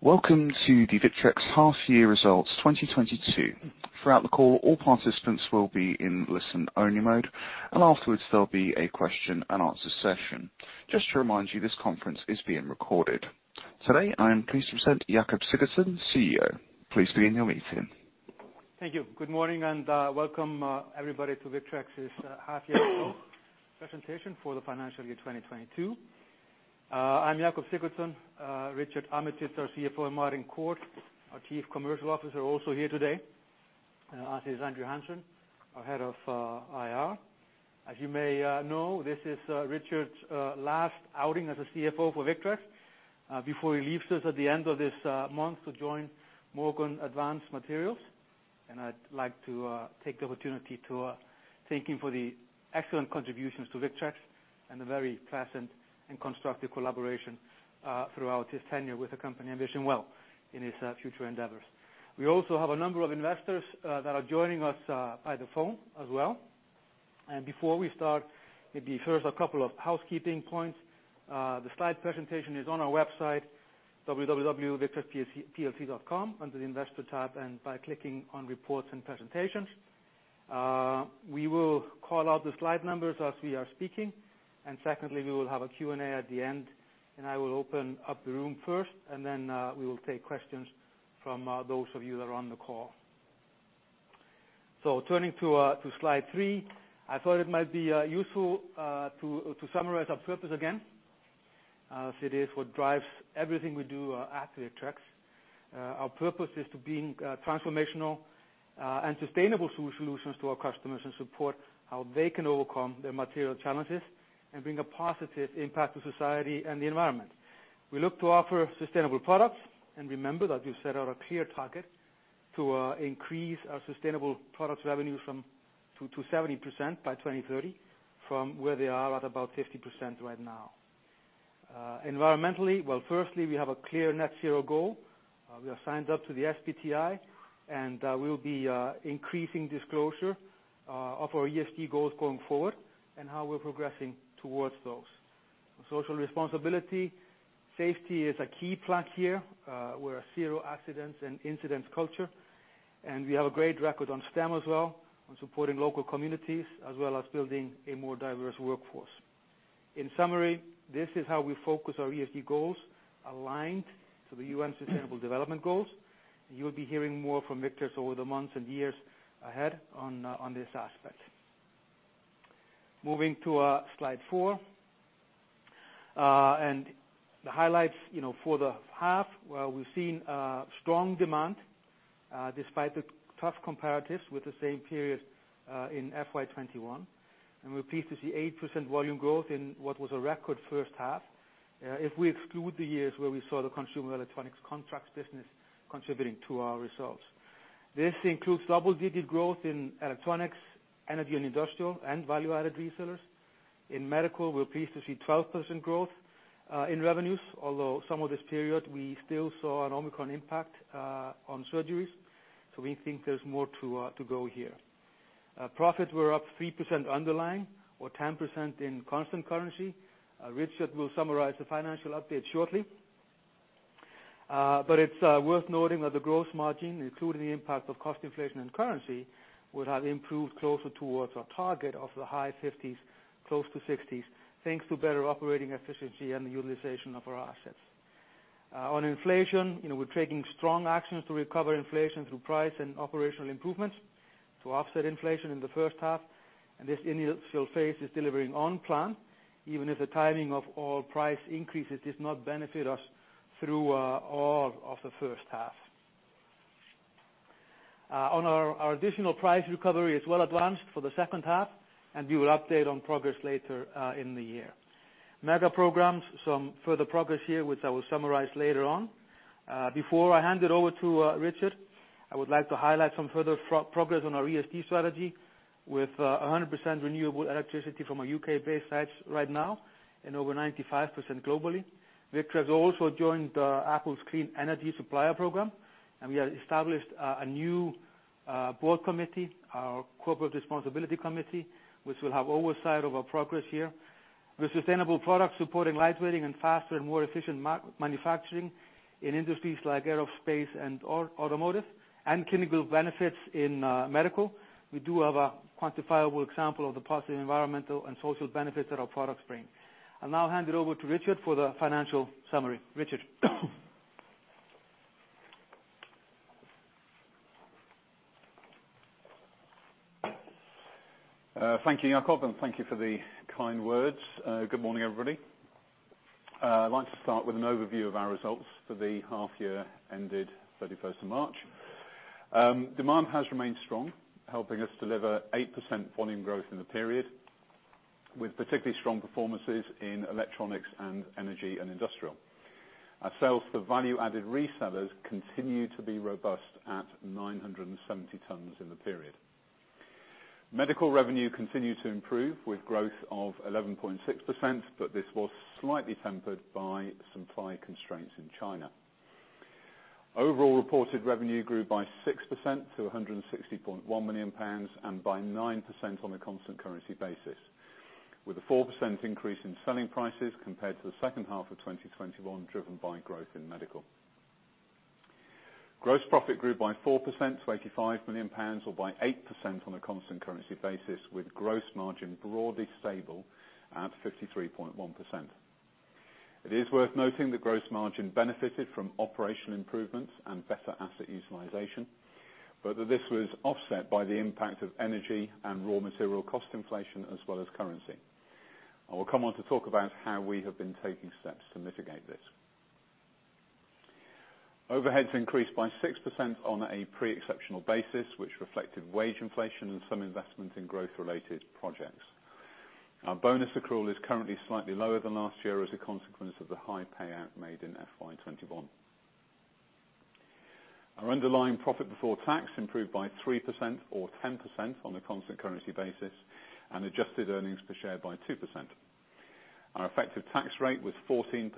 Welcome to the Victrex half year results 2022. Throughout the call, all participants will be in listen-only mode, and afterwards, there'll be a question and answer session. Just to remind you, this conference is being recorded. Today, I am pleased to present Jakob Sigurdsson, CEO. Please begin your meeting. Thank you. Good morning, and welcome everybody to Victrex's half year presentation for the financial year 2022. I'm Jakob Sigurdsson. Richard Armitage, our CFO, and Martin Court, our Chief Commercial Officer, are also here today, as is Andrew Hanson, our head of IR. As you may know, this is Richard's last outing as a CFO for Victrex before he leaves us at the end of this month to join Morgan Advanced Materials. I'd like to take the opportunity to thank him for the excellent contributions to Victrex and the very pleasant and constructive collaboration through his tenure with the company and wish him well in his future endeavors. We also have a number of investors that are joining us by phone as well. Before we start, maybe first a couple of housekeeping points. The slide presentation is on our website, www.victrexplc.com, under the Investor tab and by clicking on Reports and Presentations. We will call out the slide numbers as we are speaking. Secondly, we will have a Q&A at the end, and I will open up the room first, and then we will take questions from those of you that are on the call. Turning to slide three, I thought it might be useful to summarize our purpose again, as it is what drives everything we do at Victrex. Our purpose is to bring transformational and sustainable solutions to our customers and support how they can overcome their material challenges and bring a positive impact to society and the environment. We look to offer sustainable products and remember that we've set out a clear target to increase our sustainable products revenue to 70% by 2030 from where they are at about 50% right now. Well, firstly, environmentally, we have a clear net zero goal. We are signed up to the SBTi, and we'll be increasing disclosure of our ESG goals going forward and how we're progressing towards those. Social responsibility, safety is a key plank here. We're a zero accidents and incidents culture, and we have a great record on STEM as well, on supporting local communities, as well as building a more diverse workforce. In summary, this is how we focus our ESG goals aligned to the UN Sustainable Development Goals. You'll be hearing more from Victrex over the months and years ahead on this aspect. Moving to slide four and the highlights, you know, for the half, well, we've seen strong demand despite the tough comparatives with the same period in FY 2021, and we're pleased to see 8% volume growth in what was a record first half if we exclude the years where we saw the consumer electronics contracts business contributing to our results. This includes double-digit growth in electronics, energy and industrial, and value-added resellers. In medical, we're pleased to see 12% growth in revenues, although some of this period we still saw an Omicron impact on surgeries, so we think there's more to go here. Profits were up 3% underlying or 10% in constant currency. Richard will summarize the financial update shortly. It's worth noting that the growth margin, including the impact of cost inflation and currency, would have improved closer towards our target of the high 50s%, close to 60s%, thanks to better operating efficiency and the utilization of our assets. On inflation, you know, we're taking strong actions to recover inflation through price and operational improvements to offset inflation in the first half, and this initial phase is delivering on plan, even if the timing of all price increases does not benefit us through all of the first half. On our additional price recovery is well advanced for the second half, and we will update on progress later in the year. Mega programs, some further progress here, which I will summarize later on. Before I hand it over to Richard, I would like to highlight some further progress on our ESG strategy with 100% renewable electricity from our U.K.-based sites right now and over 95% globally. Victrex has also joined Apple's Supplier Clean Energy Program, and we have established a new board committee, our corporate responsibility committee, which will have oversight of our progress here. With sustainable products supporting lightweighting and faster and more efficient manufacturing in industries like aerospace and automotive and clinical benefits in medical, we do have a quantifiable example of the positive environmental and social benefits that our products bring. I'll now hand it over to Richard for the financial summary. Richard? Thank you, Jakob, and thank you for the kind words. Good morning, everybody. I'd like to start with an overview of our results for the half year ended March 31st. Demand has remained strong, helping us deliver 8% volume growth in the period, with particularly strong performances in electronics and energy and industrial. Our sales to value-added resellers continue to be robust at 970 tons in the period. Medical revenue continued to improve, with growth of 11.6%, but this was slightly tempered by some supply constraints in China. Overall reported revenue grew by 6% to 160.1 million pounds, and by 9% on a constant currency basis, with a 4% increase in selling prices compared to the second half of 2021, driven by growth in medical. Gross profit grew by 4% to 85 million pounds, or by 8% on a constant currency basis, with gross margin broadly stable at 53.1%. It is worth noting that gross margin benefited from operational improvements and better asset utilization, but that this was offset by the impact of energy and raw material cost inflation, as well as currency. I will come on to talk about how we have been taking steps to mitigate this. Overheads increased by 6% on a pre-exceptional basis, which reflected wage inflation and some investment in growth-related projects. Our bonus accrual is currently slightly lower than last year as a consequence of the high payout made in FY 2021. Our underlying profit before tax improved by 3%, or 10% on a constant currency basis, and adjusted earnings per share by 2%. Our effective tax rate was 14%,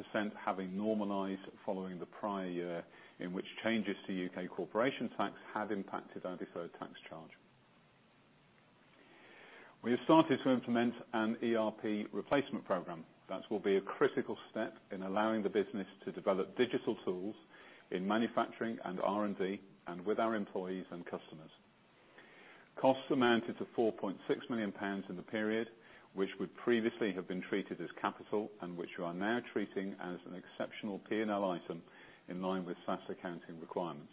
having normalized following the prior year, in which changes to UK corporation tax have impacted our deferred tax charge. We have started to implement an ERP replacement program that will be a critical step in allowing the business to develop digital tools in manufacturing and R&D, and with our employees and customers. Costs amounted to 4.6 million pounds in the period, which would previously have been treated as capital, and which we are now treating as an exceptional P&L item in line with IAS accounting requirements.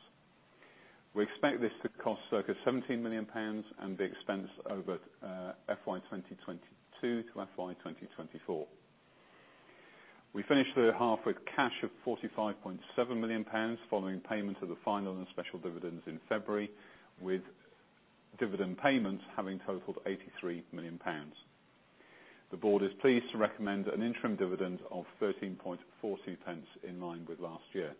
We expect this to cost circa GBP 17 million and be expensed over FY 2022 to FY 2024. We finished the half with cash of 45.7 million pounds following payment of the final and special dividends in February, with dividend payments having totaled 83 million pounds. The board is pleased to recommend an interim dividend of 0.1340 in line with last year.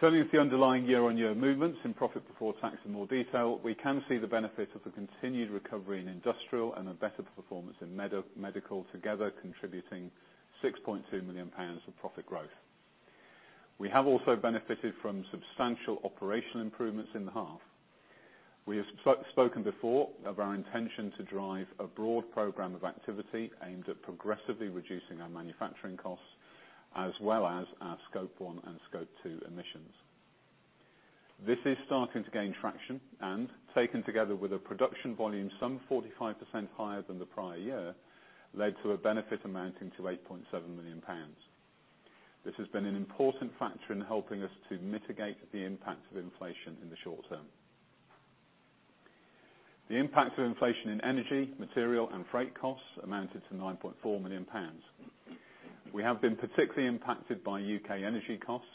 Turning to the underlying year-on-year movements in profit before tax in more detail, we can see the benefit of a continued recovery in industrial and a better performance in med and medical, together contributing 6.2 million pounds of profit growth. We have also benefited from substantial operational improvements in the half. We have spoken before of our intention to drive a broad program of activity aimed at progressively reducing our manufacturing costs, as well as our Scope 1 and Scope 2 emissions. This is starting to gain traction, and taken together with a production volume some 45% higher than the prior year, led to a benefit amounting to 8.7 million pounds. This has been an important factor in helping us to mitigate the impact of inflation in the short term. The impact of inflation in energy, material, and freight costs amounted to 9.4 million pounds. We have been particularly impacted by U.K energy costs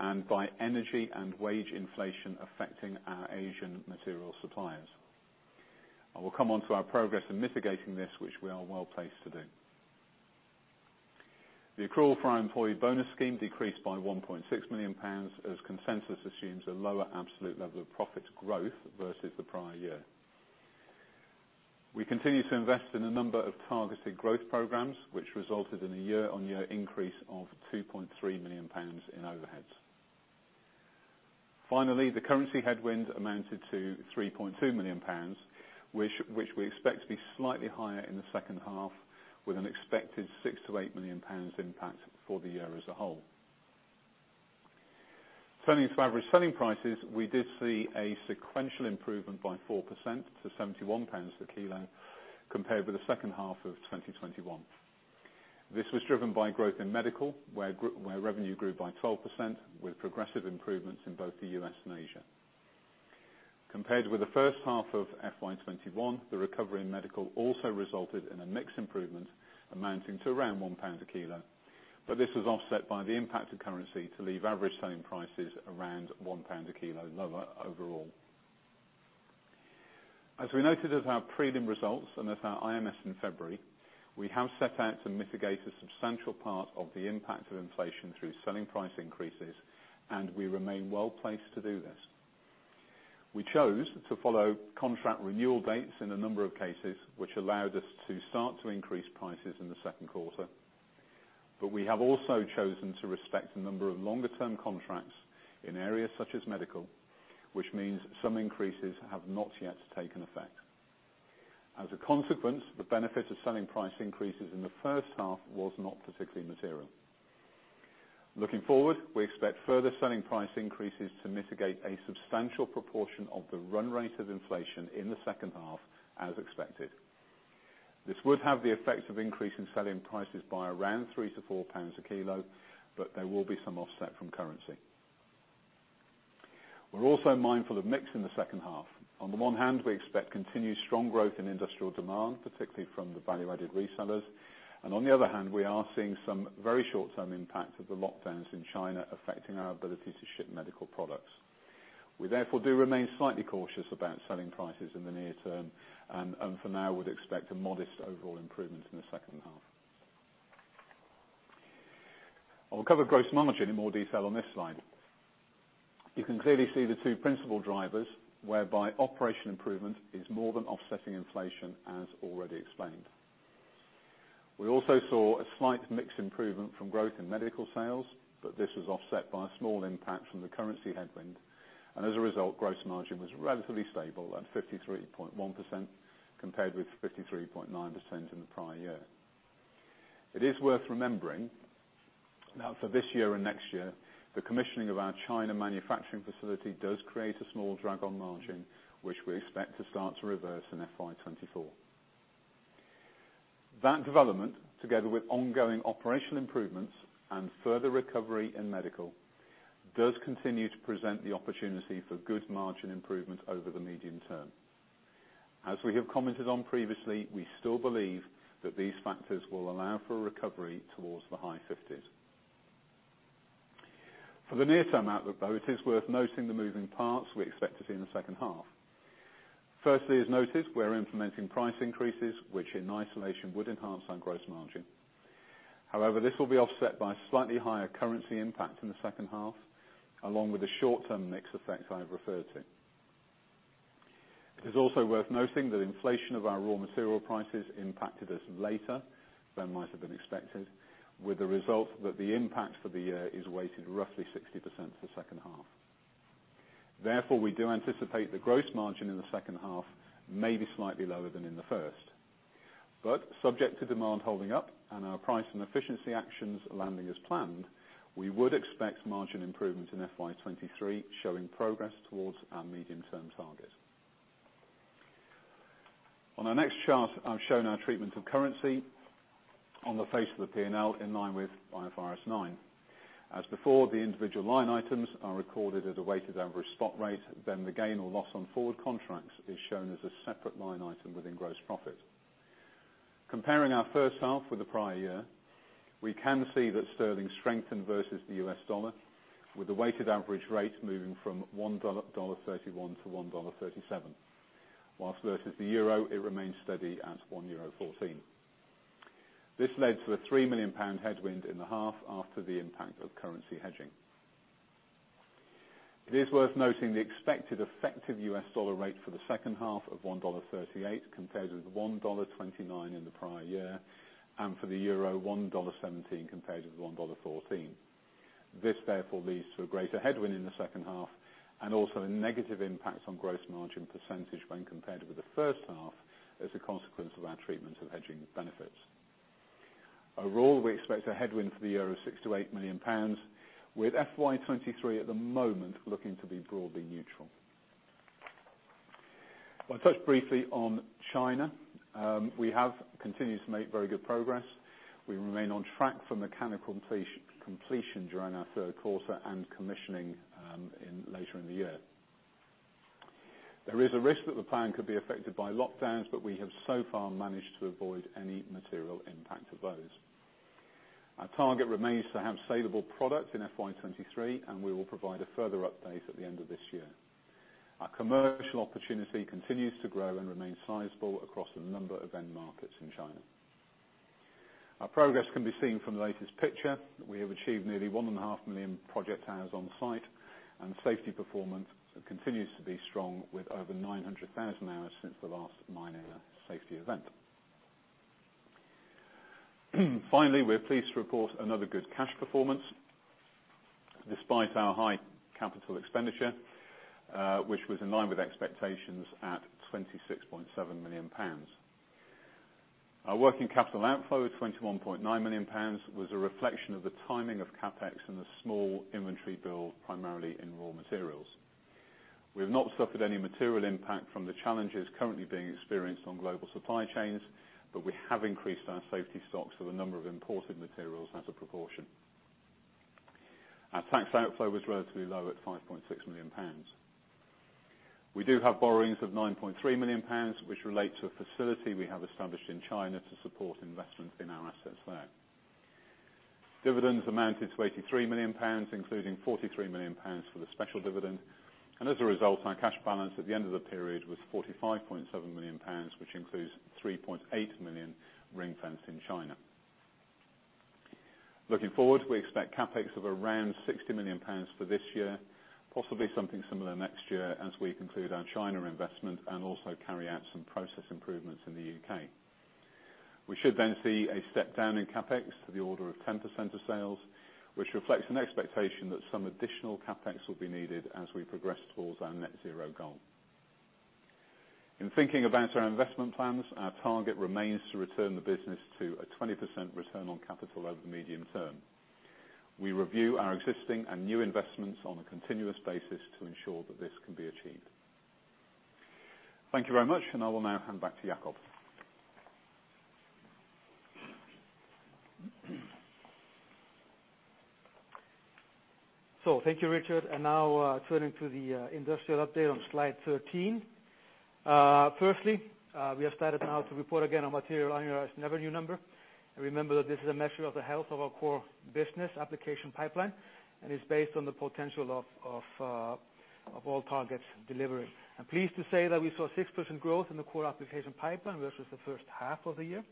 and by energy and wage inflation affecting our Asian material suppliers. I will come on to our progress in mitigating this, which we are well-placed to do. The accrual for our employee bonus scheme decreased by 1.6 million pounds, as consensus assumes a lower absolute level of profit growth versus the prior year. We continue to invest in a number of targeted growth programs, which resulted in a year-on-year increase of 2.3 million pounds in overheads. Finally, the currency headwind amounted to 3.2 million pounds, which we expect to be slightly higher in the second half, with an expected 6 milllion -8 million pounds impact for the year as a whole. Turning to average selling prices, we did see a sequential improvement by 4% to 71 pounds a kilo, compared with the second half of 2021. This was driven by growth in medical, where revenue grew by 12%, with progressive improvements in both the U.S. and Asia. Compared with the first half of FY 2021, the recovery in medical also resulted in a mix improvement amounting to around 1 pound kg, but this was offset by the impact of currency to leave average selling prices around 1 pound kg lower overall. As we noted at our prelim results and at our IMS in February, we have set out to mitigate a substantial part of the impact of inflation through selling price increases, and we remain well placed to do this. We chose to follow contract renewal dates in a number of cases, which allowed us to start to increase prices in the Q2. We have also chosen to respect a number of longer term contracts in areas such as medical, which means some increases have not yet taken effect. As a consequence, the benefit of selling price increases in the first half was not particularly material. Looking forward, we expect further selling price increases to mitigate a substantial proportion of the run rate of inflation in the second half, as expected. This would have the effect of increasing selling prices by around 3-4 pounds kg, but there will be some offset from currency. We're also mindful of mix in the second half. On the one hand, we expect continued strong growth in industrial demand, particularly from the value-added resellers. On the other hand, we are seeing some very short-term impacts of the lockdowns in China affecting our ability to ship medical products. We therefore do remain slightly cautious about selling prices in the near term and for now would expect a modest overall improvement in the second half. I will cover gross margin in more detail on this slide. You can clearly see the two principal drivers whereby operational improvement is more than offsetting inflation, as already explained. We also saw a slight mix improvement from growth in medical sales, but this was offset by a small impact from the currency headwind, and as a result, gross margin was relatively stable at 53.1% compared with 53.9% in the prior year. It is worth remembering that for this year and next year, the commissioning of our China manufacturing facility does create a small drag on margin, which we expect to start to reverse in FY 2024. That development, together with ongoing operational improvements and further recovery in medical, does continue to present the opportunity for good margin improvement over the medium term. As we have commented on previously, we still believe that these factors will allow for a recovery towards the high 50s. For the near-term outlook, though, it is worth noting the moving parts we expect to see in the second half. Firstly, as noted, we're implementing price increases, which in isolation would enhance our gross margin. However, this will be offset by slightly higher currency impact in the second half, along with the short-term mix effect I have referred to. It is also worth noting that inflation of our raw material prices impacted us later than might have been expected, with the result that the impact for the year is weighted roughly 60% to the second half. Therefore, we do anticipate the gross margin in the second half may be slightly lower than in the first. Subject to demand holding up and our price and efficiency actions landing as planned, we would expect margin improvement in FY 2023 showing progress towards our medium-term target. On our next chart, I've shown our treatment of currency on the face of the P&L in line with IFRS 9. As before, the individual line items are recorded at a weighted average spot rate, then the gain or loss on forward contracts is shown as a separate line item within gross profit. Comparing our first half with the prior year, we can see that sterling strengthened versus the U.S dollar, with the weighted average rate moving from $1.31-$1.37. While versus the euro, it remained steady at 1.14 euro. This led to a 3 million pound headwind in the half after the impact of currency hedging. It is worth noting the expected effective US dollar rate for the second half of $1.38 compared with $1.29 in the prior year, and for the euro, EUR 1.17 compared with EUR 1.14. This therefore leads to a greater headwind in the second half and also a negative impact on gross margin percentage when compared with the first half as a consequence of our treatment of hedging benefits. Overall, we expect a headwind for the year of 6 million-8 million pounds, with FY 2023 at the moment looking to be broadly neutral. If I touch briefly on China, we have continued to make very good progress. We remain on track for mechanical completion during our Q3 and commissioning later in the year. There is a risk that the plan could be affected by lockdowns, but we have so far managed to avoid any material impact of those. Our target remains to have saleable product in FY 2023, and we will provide a further update at the end of this year. Our commercial opportunity continues to grow and remain sizable across a number of end markets in China. Our progress can be seen from the latest picture. We have achieved nearly 1.5 million project hours on site, and safety performance continues to be strong with over 900,000 hours since the last minor safety event. Finally, we're pleased to report another good cash performance despite our high capital expenditure, which was in line with expectations at 26.7 million pounds. Our working capital outflow of 21.9 million pounds was a reflection of the timing of CapEx and the small inventory build primarily in raw materials. We have not suffered any material impact from the challenges currently being experienced on global supply chains, but we have increased our safety stocks of a number of imported materials as a proportion. Our tax outflow was relatively low at 5.6 million pounds. We do have borrowings of 9.3 million pounds, which relate to a facility we have established in China to support investment in our assets there. Dividends amounted to 83 million pounds, including 43 million pounds for the special dividend. As a result, our cash balance at the end of the period was 45.7 million pounds, which includes 3.8 million ring-fenced in China. Looking forward, we expect CapEx of around 60 million pounds for this year, possibly something similar next year as we conclude our China investment and also carry out some process improvements in the UK. We should then see a step down in CapEx to the order of 10% of sales, which reflects an expectation that some additional CapEx will be needed as we progress towards our net zero goal. In thinking about our investment plans, our target remains to return the business to a 20% return on capital over the medium term. We review our existing and new investments on a continuous basis to ensure that this can be achieved. Thank you very much, and I will now hand back to Jakob. Thank you, Richard. Now turning to the industrial update on slide 13. Firstly, we have started now to report again on material unrealized net revenue number. Remember that this is a measure of the health of our core business application pipeline and is based on the potential of all targets delivering. I'm pleased to say that we saw 6% growth in the core application pipeline versus the first half of the year.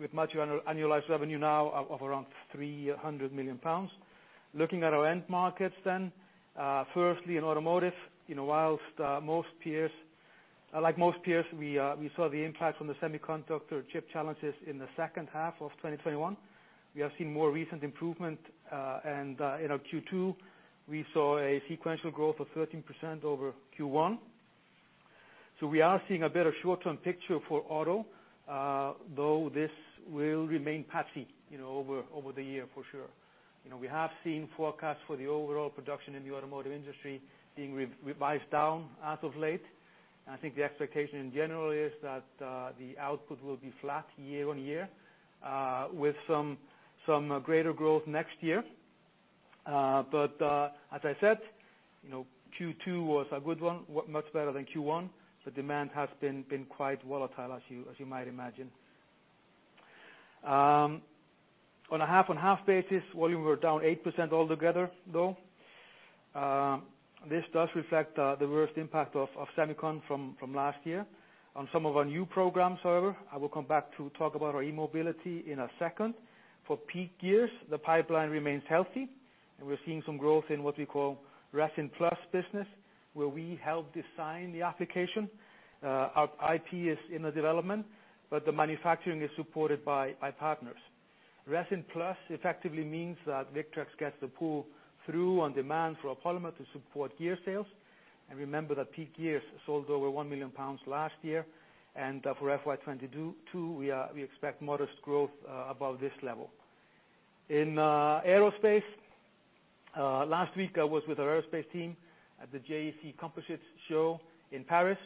With an annualized revenue now of around 300 million pounds. Looking at our end markets then, firstly in automotive, you know, while, like most peers, we saw the impact from the semiconductor chip challenges in the second half of 2021. We have seen more recent improvement in our Q2, we saw a sequential growth of 13% over Q1. We are seeing a better short-term picture for auto, though this will remain patchy, you know, over the year for sure. You know, we have seen forecasts for the overall production in the automotive industry being revised down as of late. I think the expectation in general is that the output will be flat year-on-year with some greater growth next year. As I said, you know, Q2 was a good one, much better than Q1. The demand has been quite volatile, as you might imagine. On a half-on-half basis, volume were down 8% altogether, though. This does reflect the worst impact of semicon from last year. On some of our new programs, however, I will come back to talk about our e-mobility in a second. For PEEK Gears, the pipeline remains healthy, and we're seeing some growth in what we call Resin Plus business, where we help design the application. Our IP is in the development, but the manufacturing is supported by partners. Resin Plus effectively means that Victrex gets to pull through on demand for a polymer to support gear sales. Remember that PEEK Gears sold over £1 million last year. For FY 2022, we expect modest growth above this level. In aerospace, last week, I was with our aerospace team at the JEC World show in Paris.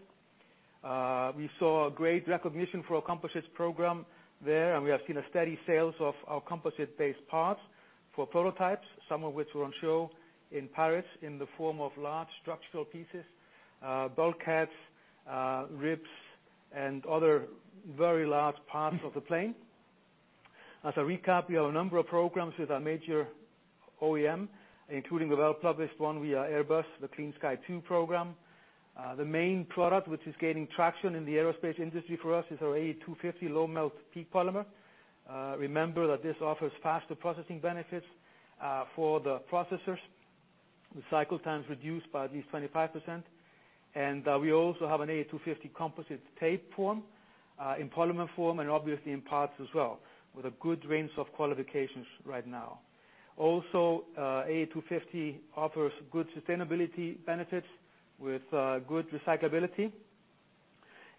We saw a great recognition for our composites program there, and we have seen a steady sales of our composite-based parts for prototypes, some of which were on show in Paris in the form of large structural pieces, bulkheads, ribs, and other very large parts of the plane. As a recap, we have a number of programs with our major OEM, including the well-published one via Airbus, the Clean Sky 2 program. The main product, which is gaining traction in the aerospace industry for us is our A250 low melt PEEK polymer. Remember that this offers faster processing benefits for the processors. The cycle time's reduced by at least 25%. We also have an A250 composite tape form in polymer form, and obviously in parts as well, with a good range of qualifications right now. Also, A250 offers good sustainability benefits with good recyclability.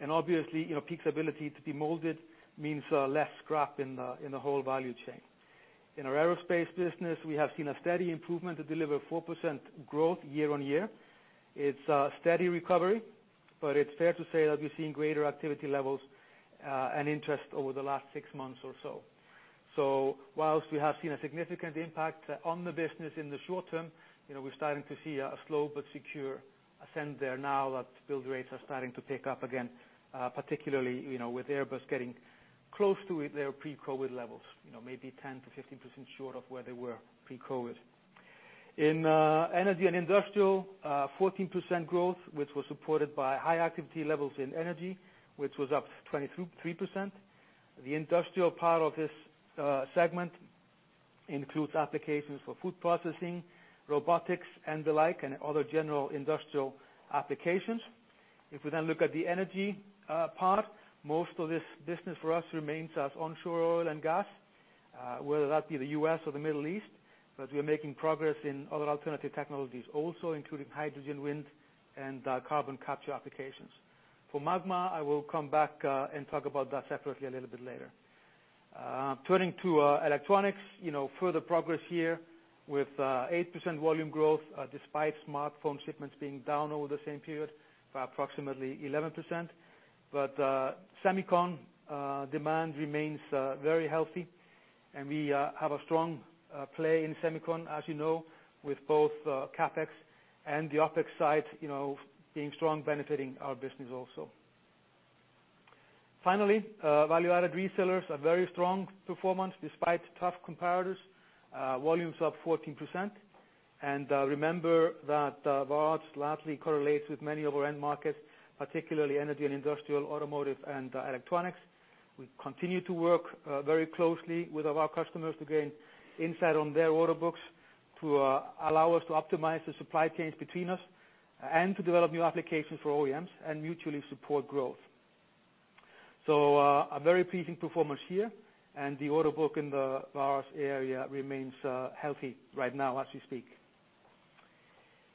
Obviously, you know, PEEK's ability to be molded means less scrap in the whole value chain. In our aerospace business, we have seen a steady improvement to deliver 4% growth year-on-year. It's a steady recovery, but it's fair to say that we've seen greater activity levels and interest over the last six months or so. Whilst we have seen a significant impact on the business in the short term, you know, we're starting to see a slow but secure ascent there now that build rates are starting to pick up again, particularly, you know, with Airbus getting close to it, their pre-COVID levels, you know, maybe 10%-15% short of where they were pre-COVID. In energy and industrial, 14% growth, which was supported by high activity levels in energy, which was up 23%. The industrial part of this segment includes applications for food processing, robotics, and the like, and other general industrial applications. If we then look at the energy part, most of this business for us remains as onshore oil and gas, whether that be the U.S or the Middle East, but we're making progress in other alternative technologies also, including hydrogen, wind, and carbon capture applications. For Magma, I will come back and talk about that separately a little bit later. Turning to electronics, you know, further progress here with 8% volume growth, despite smartphone shipments being down over the same period by approximately 11%. Semicon demand remains very healthy and we have a strong play in semicon, as you know, with both CapEx and the OpEx side, you know, being strong benefiting our business also. Finally, value-added resellers, a very strong performance despite tough comparators. Volumes up 14%. Remember that VARs largely correlates with many of our end markets, particularly energy and industrial, automotive, and electronics. We continue to work very closely with all our customers to gain insight on their order books to allow us to optimize the supply chains between us and to develop new applications for OEMs and mutually support growth. A very pleasing performance here, and the order book in the VARs area remains healthy right now as we speak.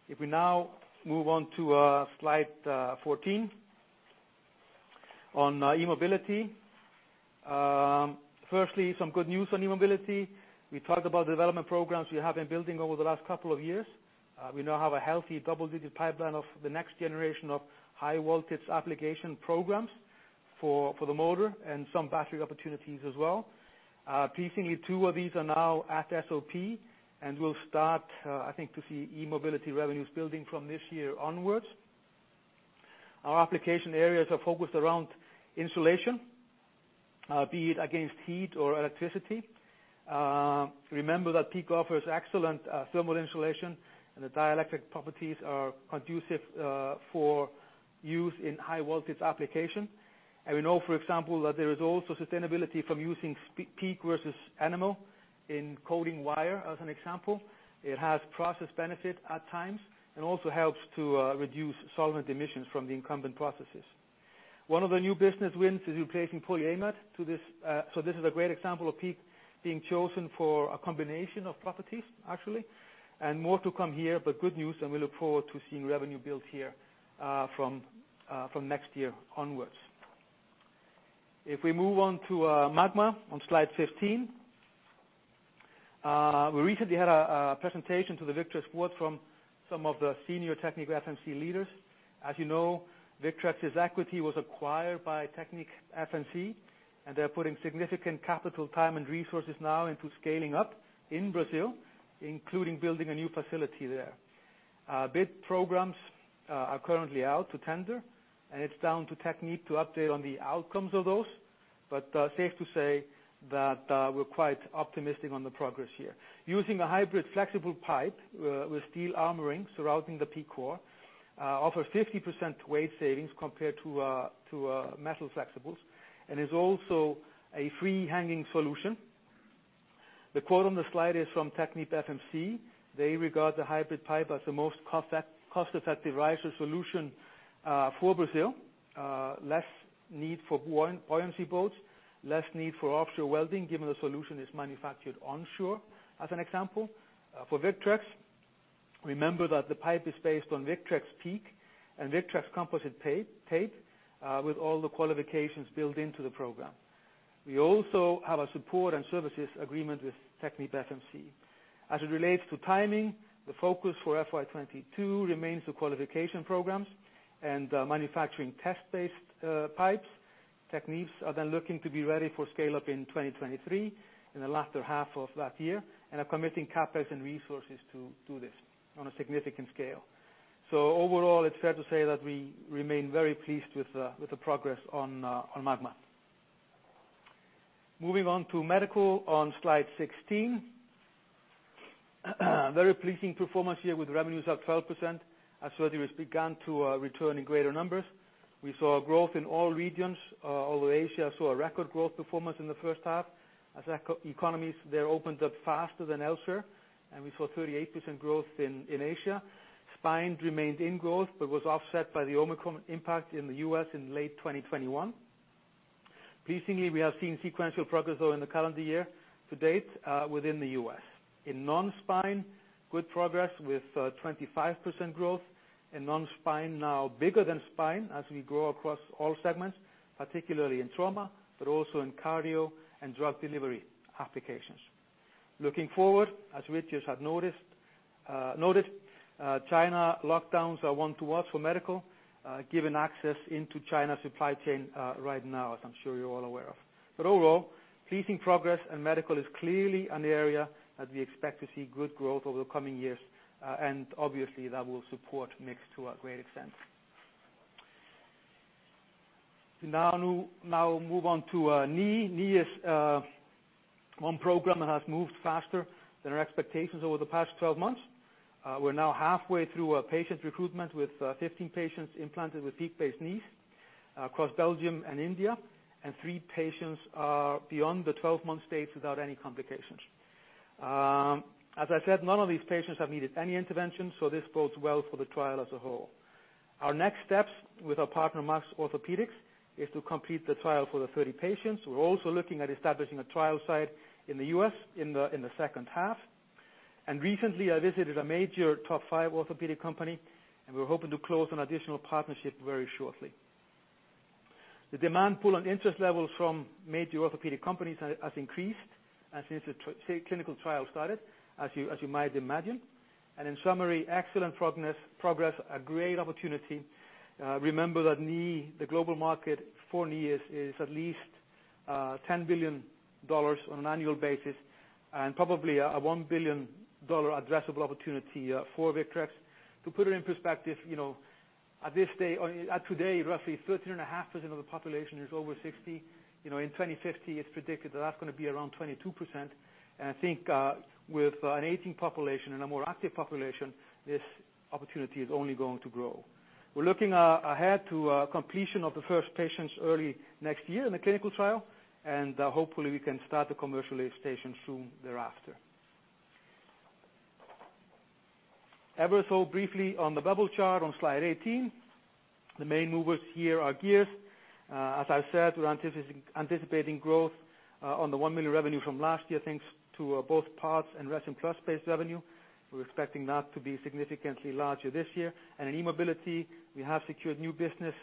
If we now move on to slide 14 on e-mobility. Firstly, some good news on e-mobility. We talked about the development programs we have been building over the last couple of years. We now have a healthy double-digit pipeline of the next generation of high voltage application programs for the motor and some battery opportunities as well. Pleasingly, 2 of these are now at SOP, and we'll start, I think, to see e-mobility revenues building from this year onwards. Our application areas are focused around insulation, be it against heat or electricity. Remember that PEEK offers excellent thermal insulation and the dielectric properties are conducive for use in high voltage application. We know, for example, that there is also sustainability from using S-PEEK versus enamel insulated coating wire, as an example. It has process benefit at times, and also helps to reduce solvent emissions from the incumbent processes. One of the new business wins is replacing polyamide to this. So this is a great example of PEEK being chosen for a combination of properties actually, and more to come here. But good news, and we look forward to seeing revenue build here from next year onwards. If we move on to Magma on slide 15. We recently had a presentation to the Victrex board from some of the senior TechnipFMC leaders. As you know, Victrex's equity was acquired by TechnipFMC, and they're putting significant capital, time and resources now into scaling up in Brazil, including building a new facility there. Bid programs are currently out to tender, and it's down to Technip to update on the outcomes of those. Safe to say that we're quite optimistic on the progress here. Using a hybrid flexible pipe with steel armoring surrounding the PEEK core offers 50% weight savings compared to a metal flexibles and is also a free-hanging solution. The quote on the slide is from TechnipFMC. They regard the hybrid pipe as the most cost-effective riser solution for Brazil. Less need for buoyancy boats, less need for offshore welding, given the solution is manufactured onshore, as an example. For Victrex, remember that the pipe is based on Victrex PEEK and Victrex composite tape with all the qualifications built into the program. We also have a support and services agreement with TechnipFMC. As it relates to timing, the focus for FY 2022 remains the qualification programs and manufacturing test-based pipes. TechnipFMC are then looking to be ready for scale-up in 2023, in the latter half of that year, and are committing CapEx and resources to do this on a significant scale. Overall, it's fair to say that we remain very pleased with the progress on Magma. Moving on to Medical on slide 16. Very pleasing performance here with revenues up 12% as surgery has begun to return in greater numbers. We saw growth in all regions. Although Asia saw a record growth performance in the first half as economies there opened up faster than elsewhere, and we saw 38% growth in Asia. Spine remained in growth but was offset by the Omicron impact in the U.S. in late 2021. Pleasingly, we have seen sequential progress, though, in the calendar year to date within the U.S. In non-spine, good progress with 25% growth, and non-spine now bigger than spine as we grow across all segments, particularly in trauma, but also in cardio and drug delivery applications. Looking forward, as we just noted, China lockdowns are one to watch for Medical, given access into China supply chain right now, as I'm sure you're all aware of. Overall, pleasing progress, and Medical is clearly an area that we expect to see good growth over the coming years, and obviously that will support mix to a great extent. Now move on to knee. Knee is one program that has moved faster than our expectations over the past 12 months. We're now halfway through patient recruitment with 15 patients implanted with PEEK-based knees across Belgium and India, and 3 patients are beyond the 12-month stage without any complications. As I said, none of these patients have needed any intervention, so this bodes well for the trial as a whole. Our next steps with our partner, Maxx Orthopedics, is to complete the trial for the 30 patients. We're also looking at establishing a trial site in the US in the second half. Recently, I visited a major top 5 orthopedic company, and we're hoping to close an additional partnership very shortly. The demand pool and interest levels from major orthopedic companies has increased since the clinical trial started, as you might imagine. In summary, excellent progress. A great opportunity. Remember that knee, the global market for knee is at least $10 billion on an annual basis and probably a $1 billion addressable opportunity for Victrex. To put it in perspective, you know, today, roughly 13.5% of the population is over 60. You know, in 2050, it's predicted that that's gonna be around 22%. I think, with an aging population and a more active population, this opportunity is only going to grow. We're looking ahead to completion of the first patients early next year in the clinical trial, and hopefully we can start the commercialization soon thereafter. Ever so briefly on the bubble chart on slide 18. The main movers here are Gears. As I said, we're anticipating growth on the 1 million revenue from last year, thanks to both parts and ResinPlus-based revenue. We're expecting that to be significantly larger this year. In e-mobility, we have secured new business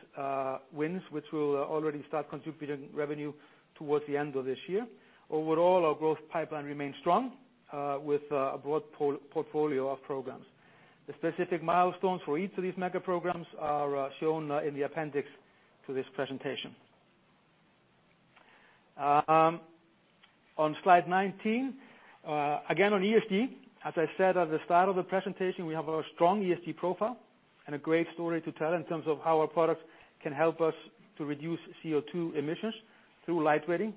wins which will already start contributing revenue towards the end of this year. Overall, our growth pipeline remains strong with a broad portfolio of programs. The specific milestones for each of these mega programs are shown in the appendix to this presentation. On slide 19, again, on ESG, as I said at the start of the presentation, we have a strong ESG profile and a great story to tell in terms of how our products can help us to reduce CO₂ emissions through lightweighting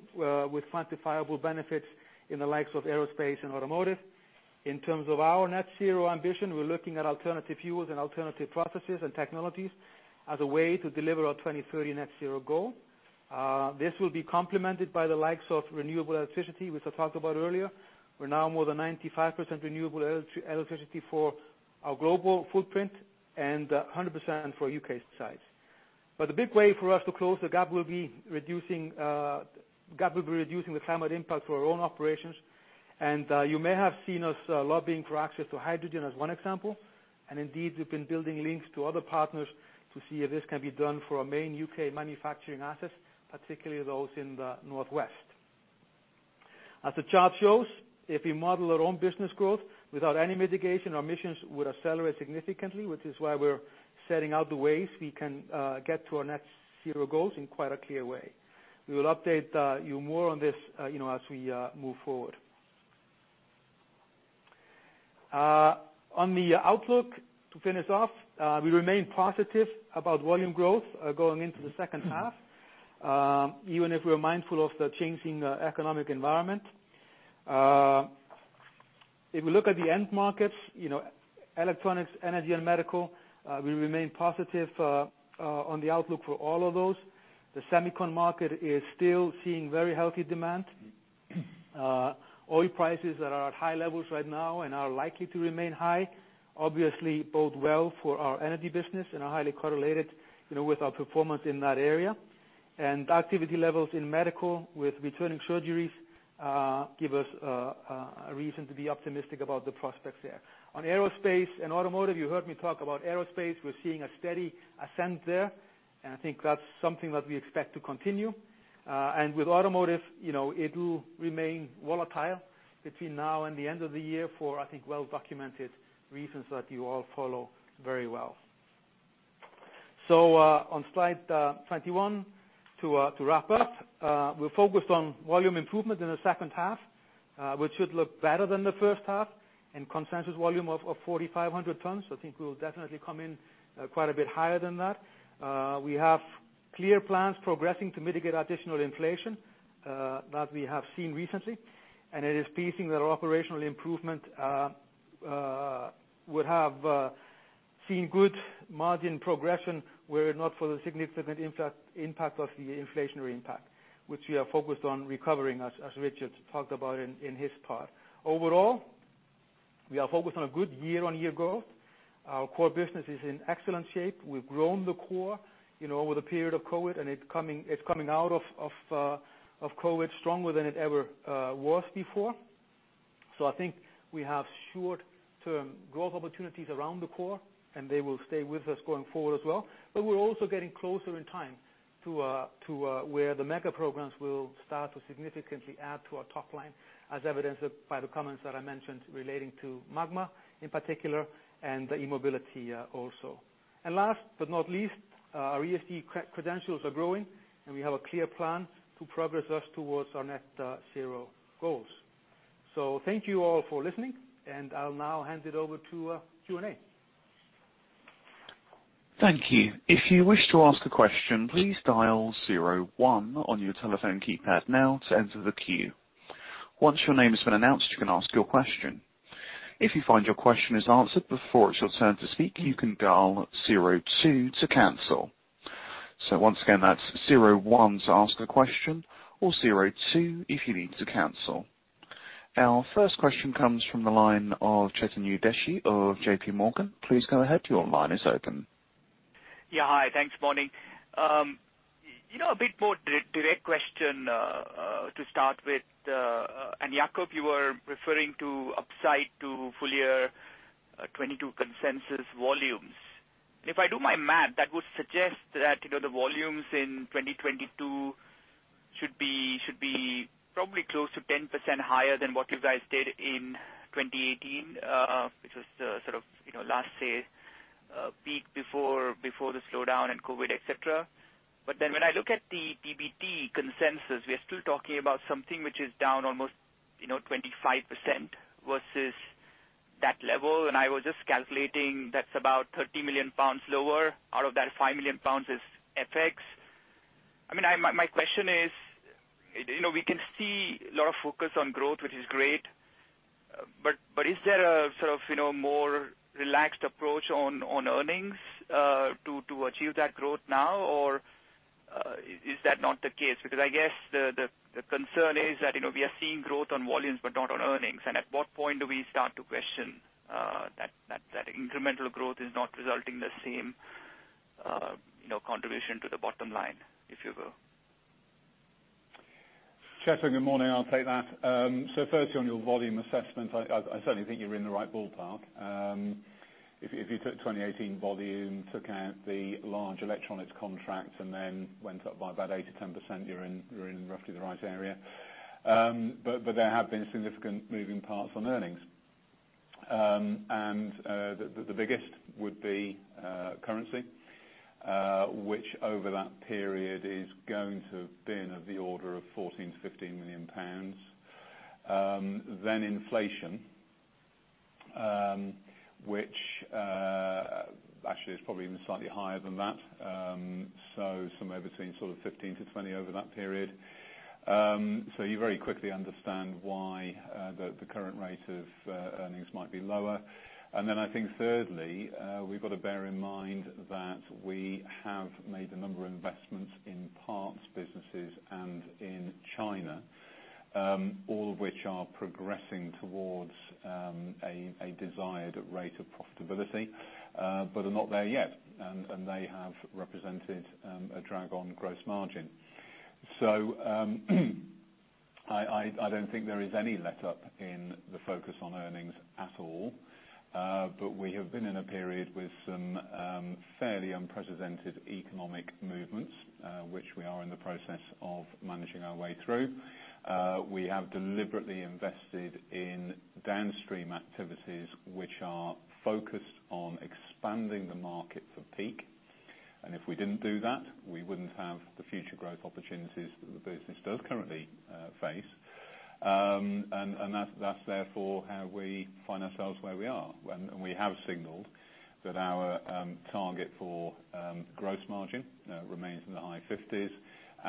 with quantifiable benefits in the likes of aerospace and automotive. In terms of our net zero ambition, we're looking at alternative fuels and alternative processes and technologies as a way to deliver our 2030 net zero goal. This will be complemented by the likes of renewable electricity, which I talked about earlier. We're now more than 95% renewable electricity for our global footprint and 100% for U.K sites. The big way for us to close the gap will be reducing the climate impact for our own operations. You may have seen us lobbying for access to hydrogen as one example. Indeed, we've been building links to other partners to see if this can be done for our main U.K manufacturing assets, particularly those in the Northwest. As the chart shows, if we model our own business growth without any mitigation, our emissions would accelerate significantly, which is why we're setting out the ways we can get to our net zero goals in quite a clear way. We will update you more on this, you know, as we move forward. On the outlook to finish off, we remain positive about volume growth going into the second half, even if we're mindful of the changing economic environment. If we look at the end markets, you know, electronics, energy and medical, we remain positive on the outlook for all of those. The semicon market is still seeing very healthy demand. Oil prices are at high levels right now and are likely to remain high, obviously both well for our energy business and are highly correlated, you know, with our performance in that area. Activity levels in medical with returning surgeries give us a reason to be optimistic about the prospects there. On aerospace and automotive, you heard me talk about aerospace. We're seeing a steady ascent there, and I think that's something that we expect to continue. With automotive, you know, it will remain volatile between now and the end of the year for, I think, well-documented reasons that you all follow very well. On slide 21 to wrap up, we're focused on volume improvement in the second half, which should look better than the first half and consensus volume of 4,500 tons. I think we'll definitely come in quite a bit higher than that. We have clear plans progressing to mitigate additional inflation that we have seen recently, and it is pleasing that our operational improvement would have seen good margin progression were it not for the significant impact of the inflationary impact, which we are focused on recovering, as Richard talked about in his part. Overall, we are focused on a good year-on-year growth. Our core business is in excellent shape. We've grown the core, you know, over the period of COVID, and it's coming out of COVID stronger than it ever was before. I think we have short-term growth opportunities around the core, and they will stay with us going forward as well. We're also getting closer in time to where the mega programs will start to significantly add to our top line, as evidenced by the comments that I mentioned relating to Magma in particular and the e-mobility also. Last but not least, our ESG credentials are growing, and we have a clear plan to progress us towards our net zero goals. Thank you all for listening, and I'll now hand it over to Q&A. Thank you. If you wish to ask a question, please dial zero one on your telephone keypad now to enter the queue. Once your name has been announced, you can ask your question. If you find your question is answered before it's your turn to speak, you can dial zero two to cancel. Once again, that's zero one to ask a question or zero two if you need to cancel. Our first question comes from the line of Chetan Udeshi of JPMorgan. Please go ahead. Your line is open. Yeah. Hi. Thanks. Morning. You know, a bit more direct question to start with, and Jakob, you were referring to upside to full year 2022 consensus volumes. If I do my math, that would suggest that, you know, the volumes in 2022 should be probably close to 10% higher than what you guys did in 2018, which was the sort of, you know, last say peak before the slowdown and COVID, et cetera. But then when I look at the PBT consensus, we are still talking about something which is down almost, you know, 25% versus that level. I was just calculating that's about 30 million pounds lower. Out of that, 5 million pounds is FX. I mean, my question is, you know, we can see a lot of focus on growth, which is great. Is there a sort of, you know, more relaxed approach on earnings, to achieve that growth now? Or, is that not the case? Because I guess the concern is that, you know, we are seeing growth on volumes but not on earnings. At what point do we start to question, that incremental growth is not resulting in the same, you know, contribution to the bottom line, if you will? Chetan, good morning. I'll take that. Firstly on your volume assessment, I certainly think you're in the right ballpark. If you took 2018 volume, took out the large electronics contract and then went up by about 8%-10%, you're in roughly the right area. There have been significant moving parts on earnings. The biggest would be currency, which over that period is going to have been of the order of 14 million-15 million pounds. Then inflation, which actually is probably even slightly higher than that. So somewhere between sort of 15 million-20 million over that period. So you very quickly understand why the current rate of earnings might be lower. Then I think thirdly, we've got to bear in mind that we have made a number of investments in parts businesses and in China, all of which are progressing towards a desired rate of profitability, but are not there yet. They have represented a drag on gross margin. I don't think there is any letup in the focus on earnings at all. We have been in a period with some fairly unprecedented economic movements, which we are in the process of managing our way through. We have deliberately invested in downstream activities which are focused on expanding the market for PEEK. If we didn't do that, we wouldn't have the future growth opportunities that the business does currently face. That's therefore how we find ourselves where we are. We have signaled that our target for gross margin remains in the high 50s%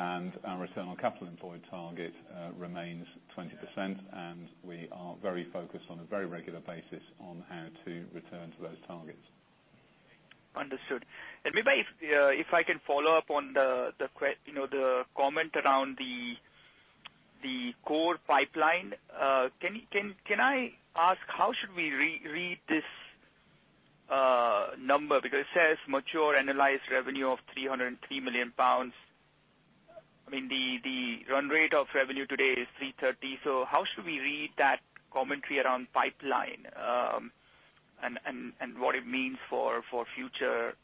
and our return on capital employed target remains 20%, and we are very focused on a very regular basis on how to return to those targets. Understood. Maybe if I can follow up on the comment around the core pipeline, can I ask how should we re-read this number? Because it says mature analyzed revenue of 303 million pounds. I mean, the run rate of revenue today is 330 million. How should we read that commentary around pipeline and what it means for future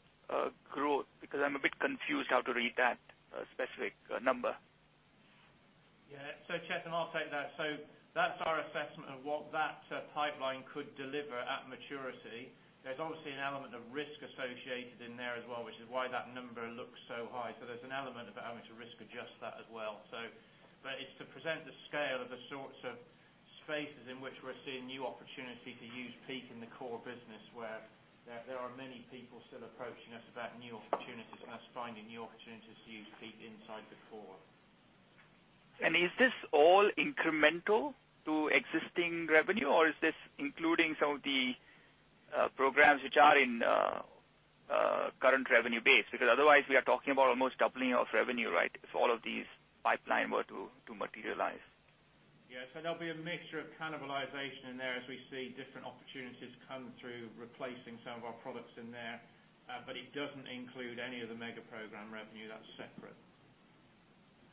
growth? Because I'm a bit confused how to read that specific number. Yeah. Chetan, and I'll take that. That's our assessment of what that pipeline could deliver at maturity. There's obviously an element of risk associated in there as well, which is why that number looks so high. There's an element of having to risk adjust that as well. It's to present the scale of the sorts of spaces in which we're seeing new opportunity to use PEEK in the core business where there are many people still approaching us about new opportunities and us finding new opportunities to use PEEK inside the core. Is this all incremental to existing revenue, or is this including some of the programs which are in current revenue base? Because otherwise we are talking about almost doubling of revenue, right? If all of these pipeline were to materialize. Yeah. There'll be a mixture of cannibalization in there as we see different opportunities come through replacing some of our products in there. It doesn't include any of the mega program revenue. That's separate.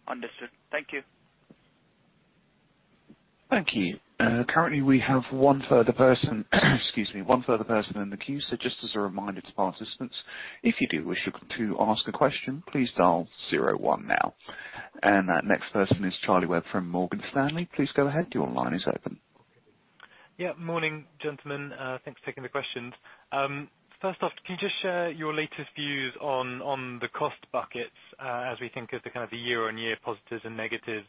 Understood. Thank you. Thank you. Currently we have one further person in the queue. So just as a reminder to participants, if you do wish to ask a question, please dial zero one now. That next person is Charlie Webb from Morgan Stanley. Please go ahead. Your line is open. Yeah. Morning, gentlemen. Thanks for taking the questions. First off, can you just share your latest views on the cost buckets as we think of the kind of the year-on-year positives and negatives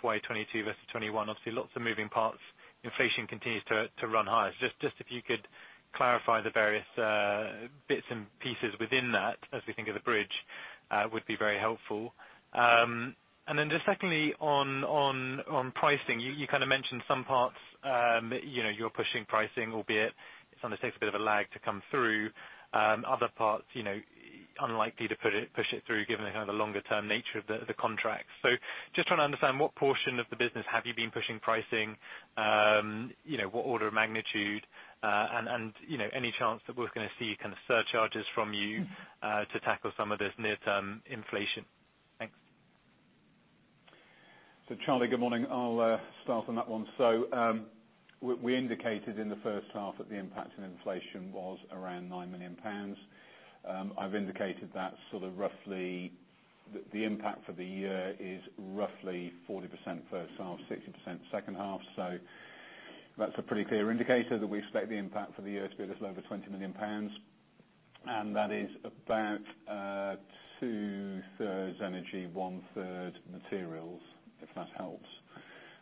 FY 2022 versus 2021? Obviously lots of moving parts. Inflation continues to run high. If you could clarify the various bits and pieces within that as we think of the bridge would be very helpful. Then just secondly, on pricing, you kind of mentioned some parts, you know, you're pushing pricing, albeit it sometimes takes a bit of a lag to come through. Other parts, you know, unlikely to push it through, given the kind of the longer term nature of the contract. Just trying to understand what portion of the business have you been pushing pricing? You know, what order of magnitude, and you know, any chance that we're gonna see kind of surcharges from you to tackle some of this near-term inflation? Thanks. Charlie, good morning. I'll start on that one. We indicated in the first half that the impact of inflation was around 9 million pounds. I've indicated that sort of roughly the impact for the year is roughly 40% first half, 60% second half. That's a pretty clear indicator that we expect the impact for the year to be a little over 20 million pounds, and that is about two-thirds energy, one-third materials, if that helps.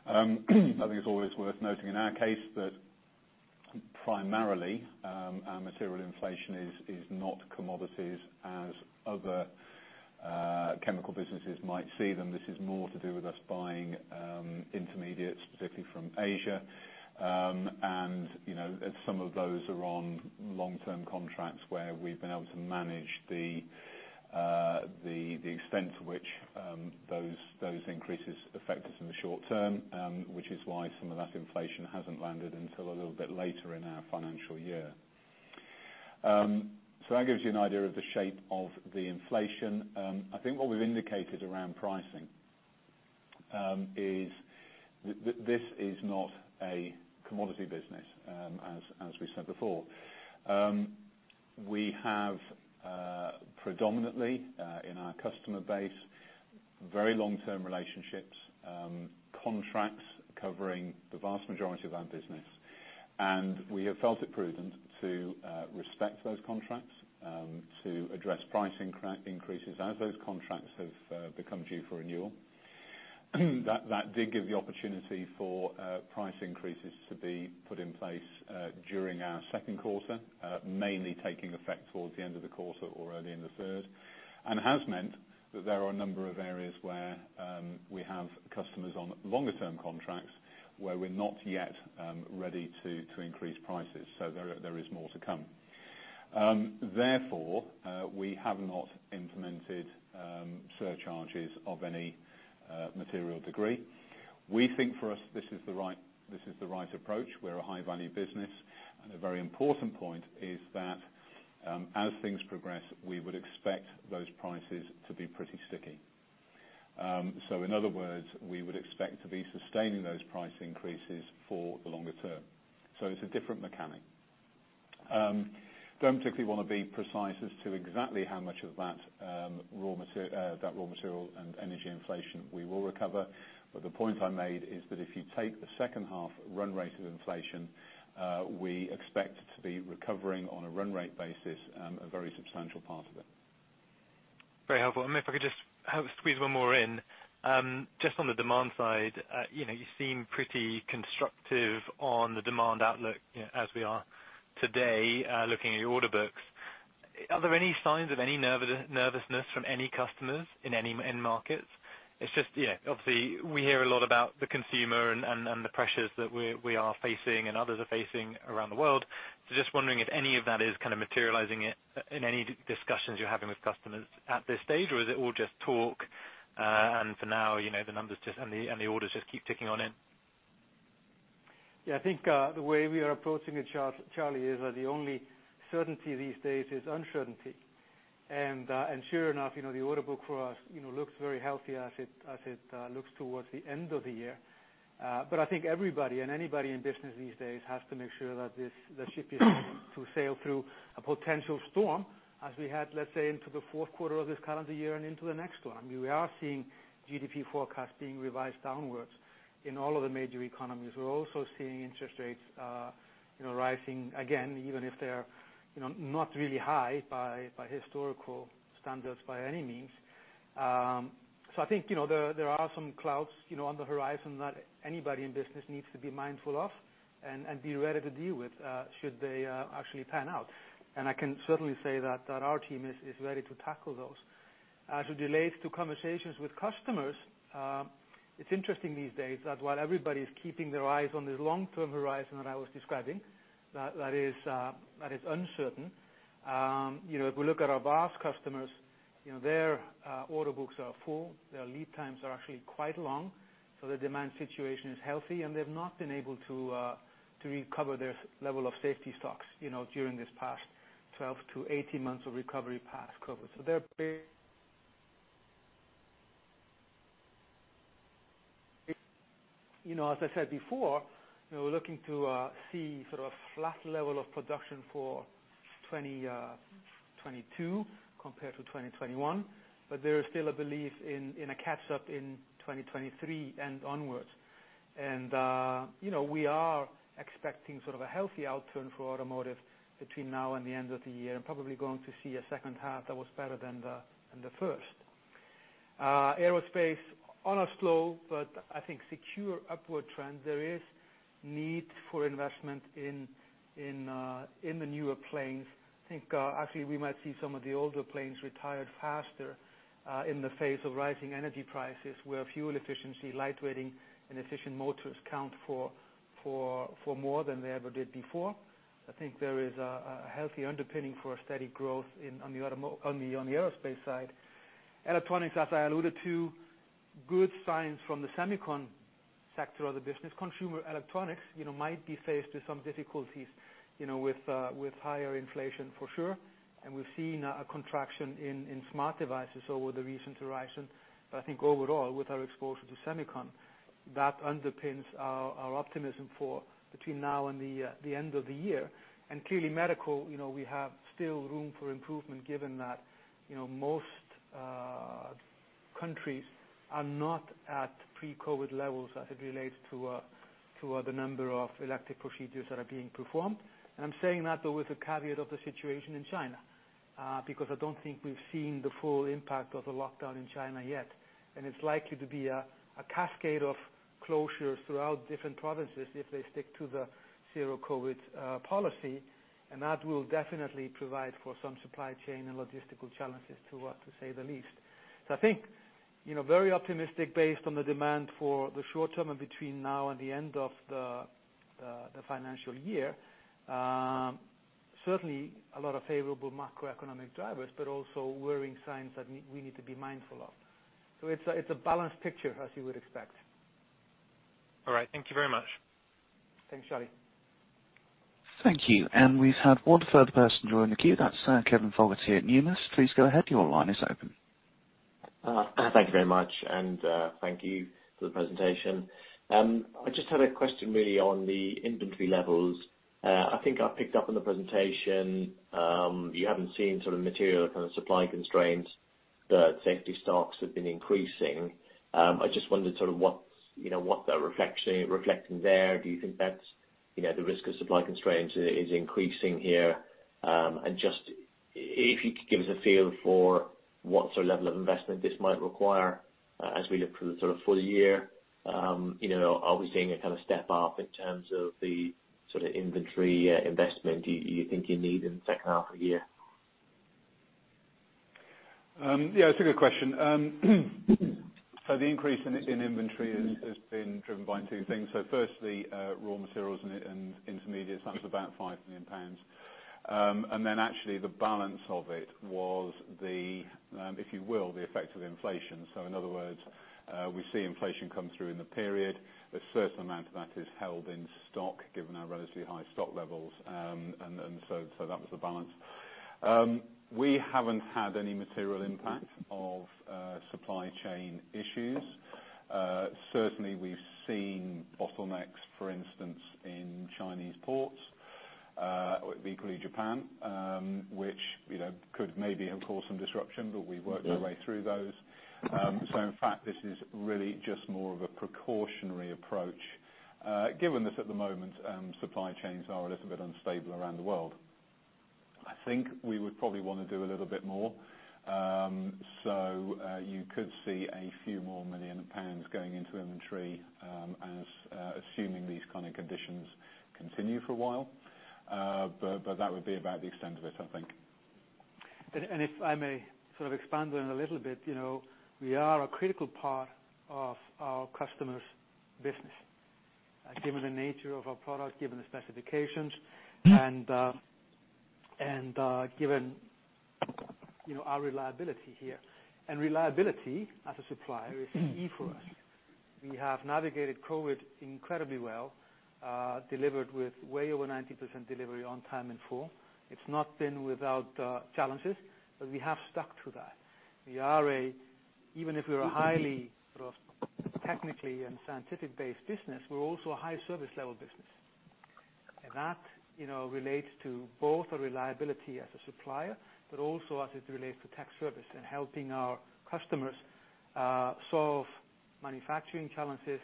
I think it's always worth noting in our case that primarily our material inflation is not commodities as other chemical businesses might see them. This is more to do with us buying intermediates, specifically from Asia. You know, some of those are on long-term contracts where we've been able to manage the extent to which those increases affect us in the short term, which is why some of that inflation hasn't landed until a little bit later in our financial year. That gives you an idea of the shape of the inflation. I think what we've indicated around pricing is this is not a commodity business, as we said before. We have predominantly in our customer base very long-term relationships, contracts covering the vast majority of our business. We have felt it prudent to respect those contracts to address pricing increases as those contracts have become due for renewal. That did give the opportunity for price increases to be put in place during our Q2, mainly taking effect towards the end of the quarter or early in the third. It has meant that there are a number of areas where we have customers on longer term contracts, where we're not yet ready to increase prices. There is more to come. Therefore, we have not implemented surcharges of any material degree. We think for us, this is the right approach. We're a high-value business, and a very important point is that as things progress, we would expect those prices to be pretty sticky. In other words, we would expect to be sustaining those price increases for the longer term. It's a different mechanic. Don't particularly wanna be precise as to exactly how much of that raw material and energy inflation we will recover, but the point I made is that if you take the second half run rate of inflation, we expect to be recovering on a run rate basis a very substantial part of it. Very helpful. If I could just have squeeze one more in. Just on the demand side, you know, you seem pretty constructive on the demand outlook, you know, as we are today, looking at your order books. Are there any signs of any nervousness from any customers in any end markets? It's just, you know, obviously we hear a lot about the consumer and the pressures that we are facing and others are facing around the world. Just wondering if any of that is kind of materializing in any discussions you're having with customers at this stage? Or is it all just talk, and for now, you know, the numbers just and the orders just keep ticking on in? Yeah. I think the way we are approaching it, Charlie, is that the only certainty these days is uncertainty. Sure enough, you know, the order book for us, you know, looks very healthy as it looks towards the end of the year. I think everybody and anybody in business these days has to make sure that this, the ship is going to sail through a potential storm as we head, let's say, into the Q4 of this calendar year and into the next one. I mean, we are seeing GDP forecasts being revised downwards in all of the major economies. We're also seeing interest rates, you know, rising again, even if they're, you know, not really high by historical standards by any means. I think, you know, there are some clouds, you know, on the horizon that anybody in business needs to be mindful of and be ready to deal with should they actually pan out. I can certainly say that our team is ready to tackle those. As it relates to conversations with customers, it's interesting these days that while everybody's keeping their eyes on this long-term horizon that I was describing, that is uncertain, you know, if we look at our vast customers, you know, their order books are full, their lead times are actually quite long, so the demand situation is healthy, and they've not been able to recover their level of safety stocks, you know, during this past 12-18 months of recovery post-COVID. They're very. You know, as I said before, we're looking to see sort of a flat level of production for 2022 compared to 2021, but there is still a belief in a catch up in 2023 and onwards. You know, we are expecting sort of a healthy outturn for automotive between now and the end of the year, and probably going to see a second half that was better than the first. Aerospace on a slow, but I think secure upward trend. There is need for investment in the newer planes. I think, actually we might see some of the older planes retired faster, in the face of rising energy prices, where fuel efficiency, lightweighting and efficient motors count for more than they ever did before. I think there is a healthy underpinning for a steady growth in on the aerospace side. Electronics, as I alluded to, good signs from the semicon sector of the business. Consumer electronics, you know, might be faced with some difficulties, you know, with higher inflation for sure. We've seen a contraction in smart devices over the recent horizon. I think overall, with our exposure to semicon, that underpins our optimism for between now and the end of the year. Clearly medical, you know, we have still room for improvement given that, you know, most countries are not at pre-COVID levels as it relates to the number of elective procedures that are being performed. I'm saying that, though, with the caveat of the situation in China, because I don't think we've seen the full impact of the lockdown in China yet, and it's likely to be a cascade of closures throughout different provinces if they stick to the zero COVID policy. That will definitely provide for some supply chain and logistical challenges, to say the least. I think, you know, very optimistic based on the demand for the short term and between now and the end of the financial year. Certainly a lot of favorable macroeconomic drivers, but also worrying signs that we need to be mindful of. It's a balanced picture as you would expect. All right. Thank you very much. Thanks, Charlie. Thank you. We've had one further person join the queue. That's Kevin Fogarty at Numis. Please go ahead. Your line is open. Thank you very much, and thank you for the presentation. I just had a question really on the inventory levels. I think I picked up in the presentation, you haven't seen sort of material kind of supply constraints, but safety stocks have been increasing. I just wondered sort of what's, you know, what they're reflecting there. Do you think that's, you know, the risk of supply constraints is increasing here? Just if you could give us a feel for what sort of level of investment this might require, as we look through the sort of full year. You know, are we seeing a kind of step up in terms of the sort of inventory investment you think you need in the second half of the year? Yeah, it's a good question. The increase in inventory has been driven by two things. Firstly, raw materials and intermediate, so that's about 5 million pounds. And then actually the balance of it was the, if you will, the effect of inflation. In other words, we see inflation come through in the period. A certain amount of that is held in stock given our relatively high stock levels. And so that was the balance. We haven't had any material impact of supply chain issues. Certainly we've seen bottlenecks, for instance, in Chinese ports, equally Japan, which, you know, could maybe have caused some disruption, but we've worked our way through those. In fact, this is really just more of a precautionary approach, given that at the moment, supply chains are a little bit unstable around the world. I think we would probably wanna do a little bit more. You could see a few more million GBP going into inventory, assuming these kind of conditions continue for a while. That would be about the extent of it, I think. If I may sort of expand on it a little bit, you know, we are a critical part of our customers' business, given the nature of our product, given the specifications and given, you know, our reliability here. Reliability as a supplier is key for us. We have navigated COVID incredibly well, delivered with way over 90% delivery on time and full. It's not been without challenges, but we have stuck to that. Even if we're a highly sort of technically and scientific-based business, we're also a high service level business. That, you know, relates to both our reliability as a supplier, but also as it relates to tech service and helping our customers solve manufacturing challenges,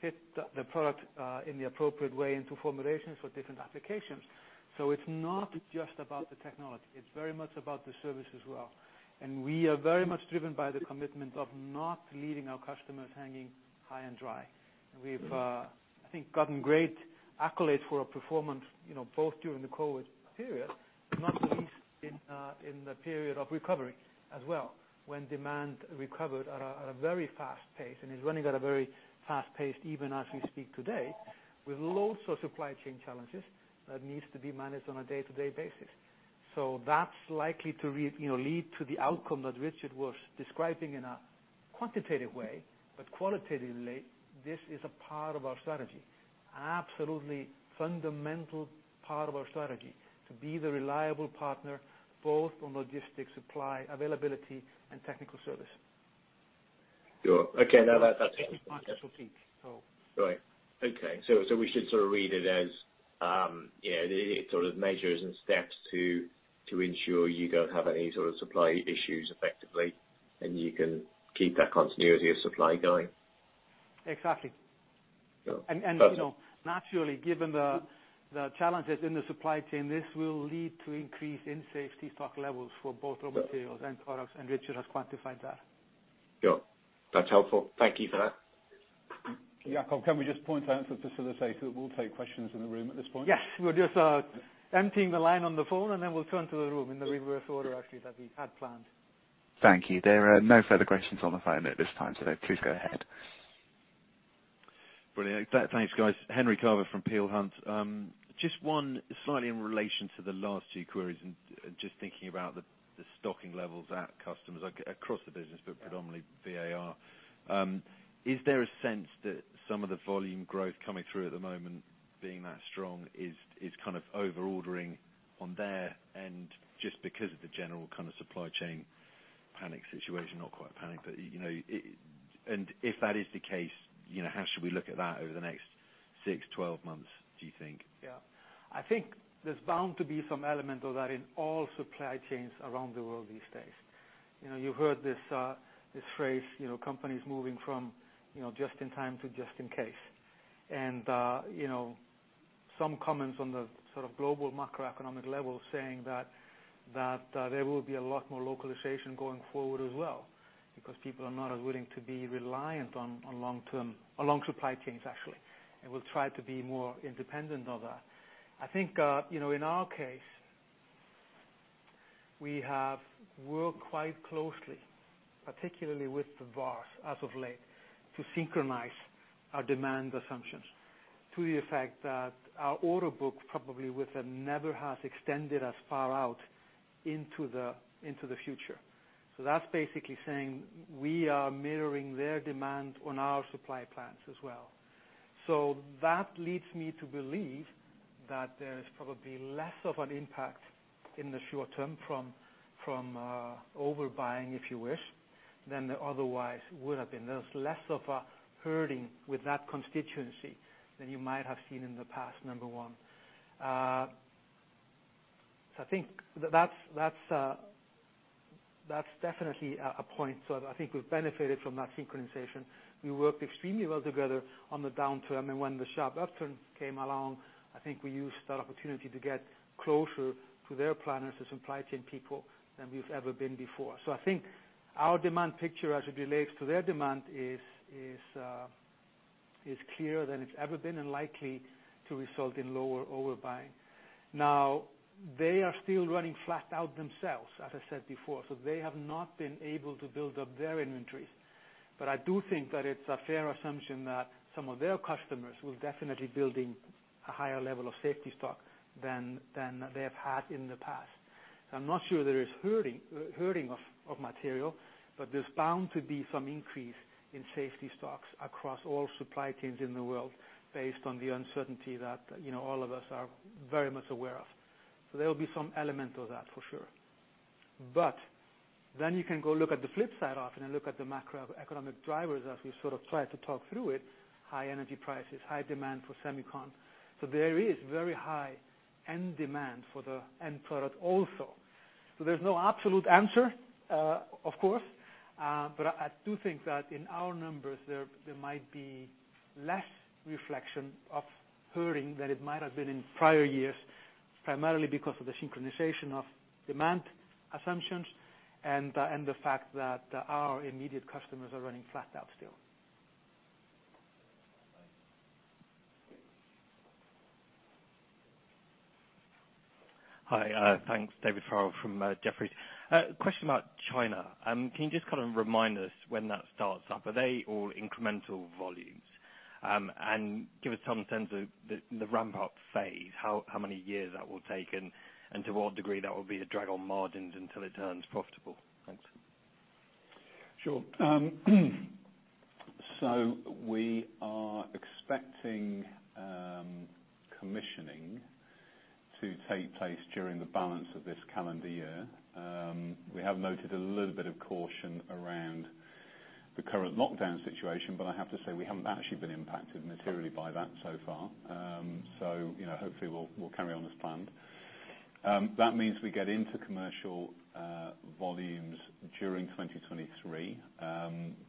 fit the product in the appropriate way into formulations for different applications. It's not just about the technology, it's very much about the service as well. We are very much driven by the commitment of not leaving our customers hanging high and dry. We've, I think, gotten great accolades for our performance, you know, both during the COVID period, not the least in the period of recovery as well, when demand recovered at a very fast pace and is running at a very fast pace even as we speak today, with loads of supply chain challenges that needs to be managed on a day-to-day basis. That's likely to, you know, lead to the outcome that Richard was describing in a quantitative way. Qualitatively, this is a part of our strategy, absolutely fundamental part of our strategy to be the reliable partner, both on logistics, supply, availability, and technical service. Sure. Okay. No, that's. so. Right. Okay. We should sort of read it as, yeah, the sort of measures and steps to ensure you don't have any sort of supply issues effectively, and you can keep that continuity of supply going. Exactly. Sure. you know, naturally, given the challenges in the supply chain, this will lead to increase in safety stock levels for both raw materials and products, and Richard has quantified that. Sure. That's helpful. Thank you for that. Jakob, can we just point out to facilitate, we'll take questions in the room at this point? Yes. We're just emptying the line on the phone and then we'll turn to the room in the reverse order actually that we had planned. Thank you. There are no further questions on the phone at this time, so please go ahead. Brilliant. Thanks, guys. Henry Carver from Peel Hunt. Just one slightly in relation to the last two queries and just thinking about the stocking levels at customers across the business, but predominantly VAR. Is there a sense that some of the volume growth coming through at the moment being that strong is kind of over ordering on their end just because of the general kind of supply chain panic situation? Not quite panic, but you know. If that is the case, you know, how should we look at that over the next six, 12 months, do you think? Yeah. I think there's bound to be some element of that in all supply chains around the world these days. You know, you heard this phrase, you know, companies moving from, you know, just in time to just in case. You know, some comments on the sort of global macroeconomic level saying that there will be a lot more localization going forward as well, because people are not as willing to be reliant on long supply chains, actually, and will try to be more independent of that. I think, you know, in our case, we have worked quite closely, particularly with the VARs as of late, to synchronize our demand assumptions to the effect that our order book probably with them never has extended as far out into the future. That's basically saying we are mirroring their demand on our supply plans as well. That leads me to believe that there is probably less of an impact in the short term from overbuying, if you wish, than there otherwise would have been. There's less of a herding with that constituency than you might have seen in the past, number one. I think that's definitely a point. I think we've benefited from that synchronization. We worked extremely well together on the downturn. When the sharp upturn came along, I think we used that opportunity to get closer to their planners and supply chain people than we've ever been before. I think our demand picture as it relates to their demand is clearer than it's ever been and likely to result in lower overbuying. They are still running flat out themselves, as I said before, so they have not been able to build up their inventory. I do think that it's a fair assumption that some of their customers will definitely build in a higher level of safety stock than they have had in the past. I'm not sure there is herding of material, but there's bound to be some increase in safety stocks across all supply chains in the world based on the uncertainty that, you know, all of us are very much aware of. There'll be some element of that for sure. You can go look at the flip side of it and look at the macroeconomic drivers as we sort of try to talk through it. High energy prices, high demand for semicon. There is very high end demand for the end product also. There's no absolute answer, of course. But I do think that in our numbers there might be less reflection of herding than it might have been in prior years, primarily because of the synchronization of demand assumptions and the fact that our immediate customers are running flat out still. Hi, thanks. David Farrell from Jefferies. Question about China. Can you just kind of remind us when that starts up? Are they all incremental volumes? Give us some sense of the ramp-up phase, how many years that will take, and to what degree that will be a drag on margins until it turns profitable. Thanks. Sure. We are expecting commissioning to take place during the balance of this calendar year. We have noted a little bit of caution around the current lockdown situation, but I have to say we haven't actually been impacted materially by that so far. You know, hopefully we'll carry on as planned. That means we get into commercial volumes during 2023.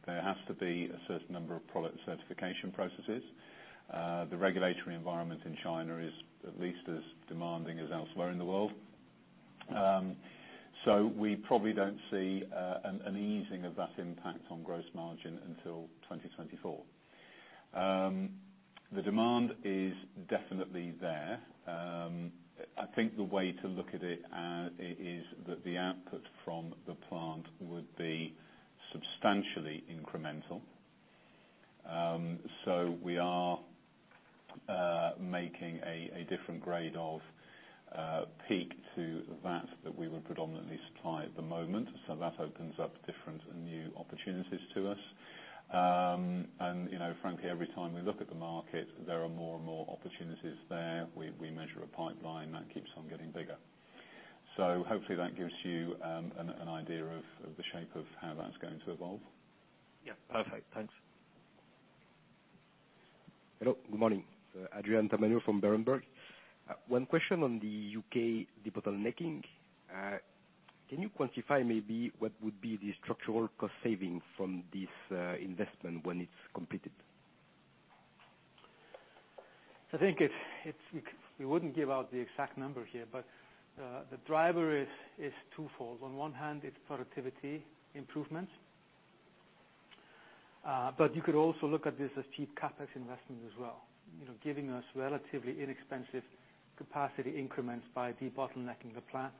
There has to be a certain number of product certification processes. The regulatory environment in China is at least as demanding as elsewhere in the world. We probably don't see an easing of that impact on gross margin until 2024. The demand is definitely there. I think the way to look at it is that the output from the plant would be substantially incremental. We are making a different grade of PEEK to that we would predominantly supply at the moment. That opens up different and new opportunities to us. You know, frankly, every time we look at the market, there are more and more opportunities there. We measure a pipeline that keeps on getting bigger. Hopefully that gives you an idea of the shape of how that's going to evolve. Yeah. Perfect. Thanks. Hello. Good morning. Adrien Tamagno from Berenberg. One question on the U.K debottlenecking. Can you quantify maybe what would be the structural cost savings from this investment when it's completed? I think it's. We wouldn't give out the exact number here, but the driver is twofold. On one hand, it's productivity improvements. You could also look at this as cheap CapEx investment as well. You know, giving us relatively inexpensive capacity increments by debottlenecking the plant.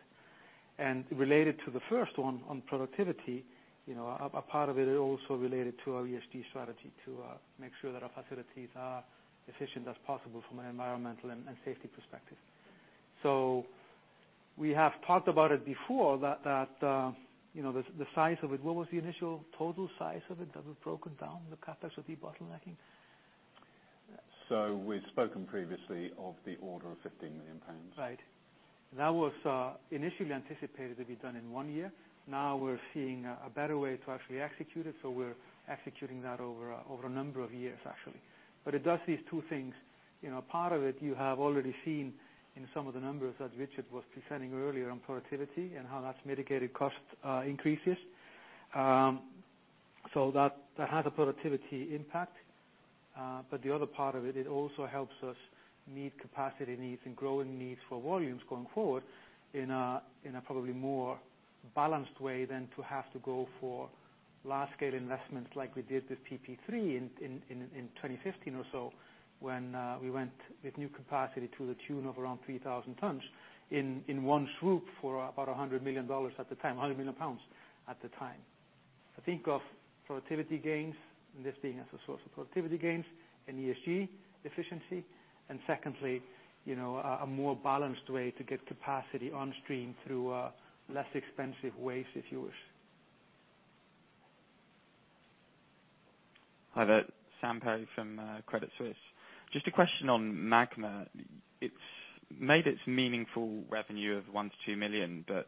Related to the first one on productivity, you know, a part of it is also related to our ESG strategy to make sure that our facilities are efficient as possible from an environmental and safety perspective. We have talked about it before that you know, the size of it. What was the initial total size of it that we've broken down the CapEx with debottlenecking? We've spoken previously of the order of 15 million pounds. Right. That was initially anticipated to be done in one year. Now we're seeing a better way to actually execute it, so we're executing that over a number of years, actually. It does these two things. You know, part of it you have already seen in some of the numbers that Richard was presenting earlier on productivity and how that's mitigated cost increases. That has a productivity impact. The other part of it also helps us meet capacity needs and growing needs for volumes going forward in a probably more balanced way than to have to go for large-scale investments like we did with PP3 in 2015 or so, when we went with new capacity to the tune of around 3,000 tons in one swoop for about $100 million at the time, 100 million pounds at the time. Think of productivity gains and this being as a source of productivity gains and ESG efficiency. Secondly, you know, a more balanced way to get capacity on stream through less expensive ways, if you wish. Hi there, Samuel Perry from Credit Suisse. Just a question on Magma. It's made its meaningful revenue of 1-2 million, but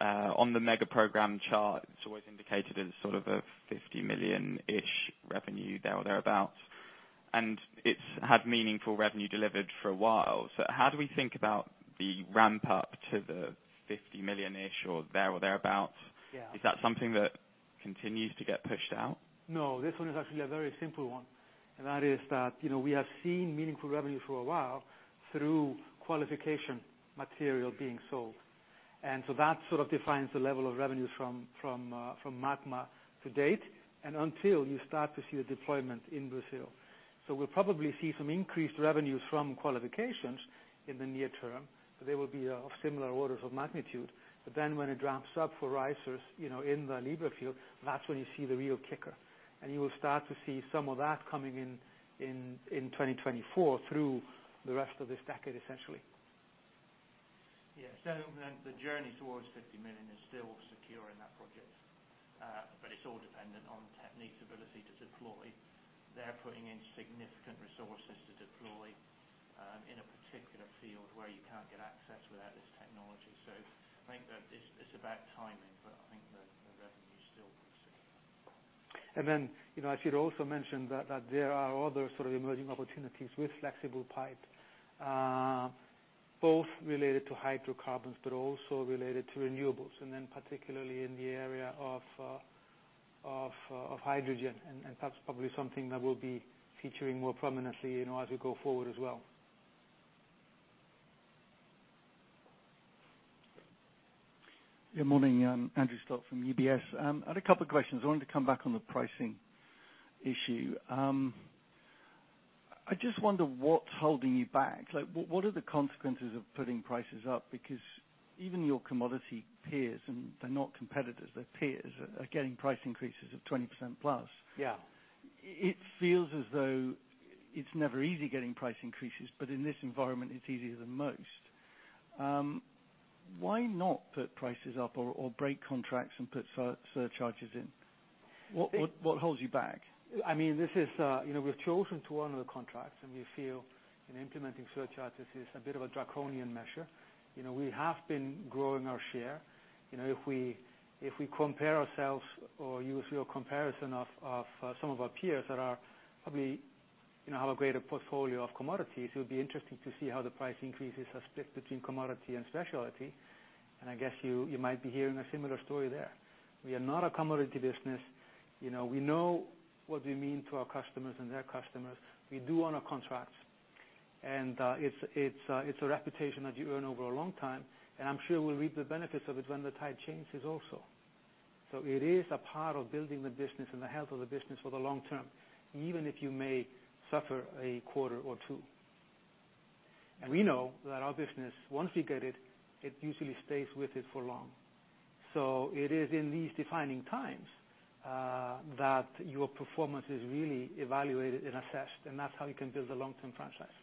on the mega program chart, it's always indicated as sort of a 50 million-ish revenue or thereabouts. It's had meaningful revenue delivered for a while. How do we think about the ramp up to the 50 million-ish or thereabouts? Yeah. Is that something that continues to get pushed out? No. This one is actually a very simple one, and that is that, you know, we have seen meaningful revenue for a while through qualification material being sold. That sort of defines the level of revenues from Magma to date and until you start to see a deployment in Brazil. We'll probably see some increased revenues from qualifications in the near term, but they will be of similar orders of magnitude. Then when it ramps up for risers, you know, in the Libra field, that's when you see the real kicker. You will start to see some of that coming in in 2024 through the rest of this decade, essentially. The journey towards 50 million is still secure in that project, but it's all dependent on TechnipFMC's ability to deploy. They're putting in significant resources to deploy in a particular field where you can't get access without this technology. I think that it's about timing, but I think the revenue is still secure. You know, I should also mention that there are other sort of emerging opportunities with flexible pipe, both related to hydrocarbons, but also related to renewables, and then particularly in the area of hydrogen. That's probably something that we'll be featuring more prominently, you know, as we go forward as well. Good morning, Andrew Stott from UBS. Had a couple questions. I wanted to come back on the pricing issue. I just wonder what's holding you back. Like, what are the consequences of putting prices up? Because even your commodity peers, and they're not competitors, they're peers, are getting price increases of 20% plus. Yeah. It feels as though it's never easy getting price increases, but in this environment, it's easier than most. Why not put prices up or break contracts and put surcharges in? What holds you back? I mean, this is, you know, we've chosen to honor the contracts, and we feel, you know, implementing surcharges is a bit of a draconian measure. You know, we have been growing our share. You know, if we compare ourselves or use your comparison of some of our peers that are probably, you know, have a greater portfolio of commodities, it would be interesting to see how the price increases are split between commodity and specialty. I guess you might be hearing a similar story there. We are not a commodity business. You know, we know what we mean to our customers and their customers. We do honor contracts. It's a reputation that you earn over a long time, and I'm sure we'll reap the benefits of it when the tide changes also. It is a part of building the business and the health of the business for the long term, even if you may suffer a quarter or two. We know that our business, once we get it usually stays with it for long. It is in these defining times, that your performance is really evaluated and assessed, and that's how you can build a long-term franchise.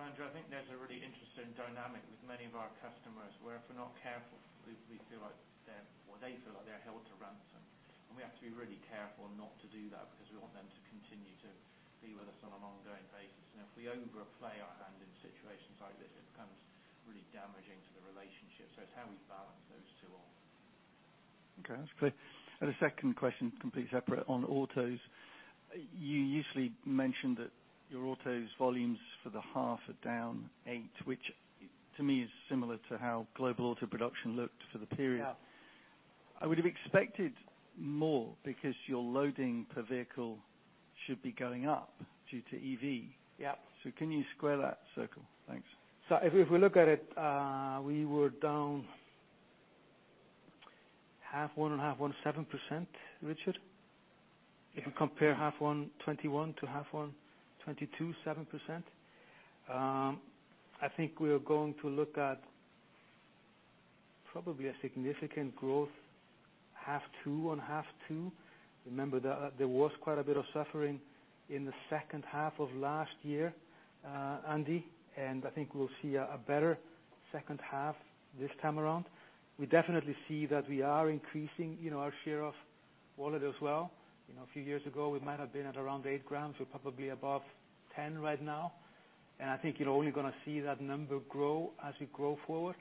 Andrew, I think there's a really interesting dynamic with many of our customers, where if we're not careful, they feel like they're held to ransom. We have to be really careful not to do that because we want them to continue to be with us on an ongoing basis. If we overplay our hand in situations like this, it becomes really damaging to the relationship. It's how we balance those two off. Okay, that's clear. A second question, completely separate. On autos, you usually mention that your autos volumes for the half are down 8%, which to me is similar to how global auto production looked for the period. Yeah. I would have expected more because your loading per vehicle should be going up due to EV. Yeah. Can you square that circle? Thanks. If we look at it, we were down H1 and H1 7%, Richard. If you compare H1 2021-H1 2022, 7%. I think we are going to look at probably a significant growth H2 on H2. Remember that there was quite a bit of suffering in the second half of last year, Andy, and I think we'll see a better second half this time around. We definitely see that we are increasing, you know, our share of wallet as well. You know, a few years ago, we might have been at around 8 g. We're probably above 10 right now. I think you're only gonna see that number grow as we grow forward.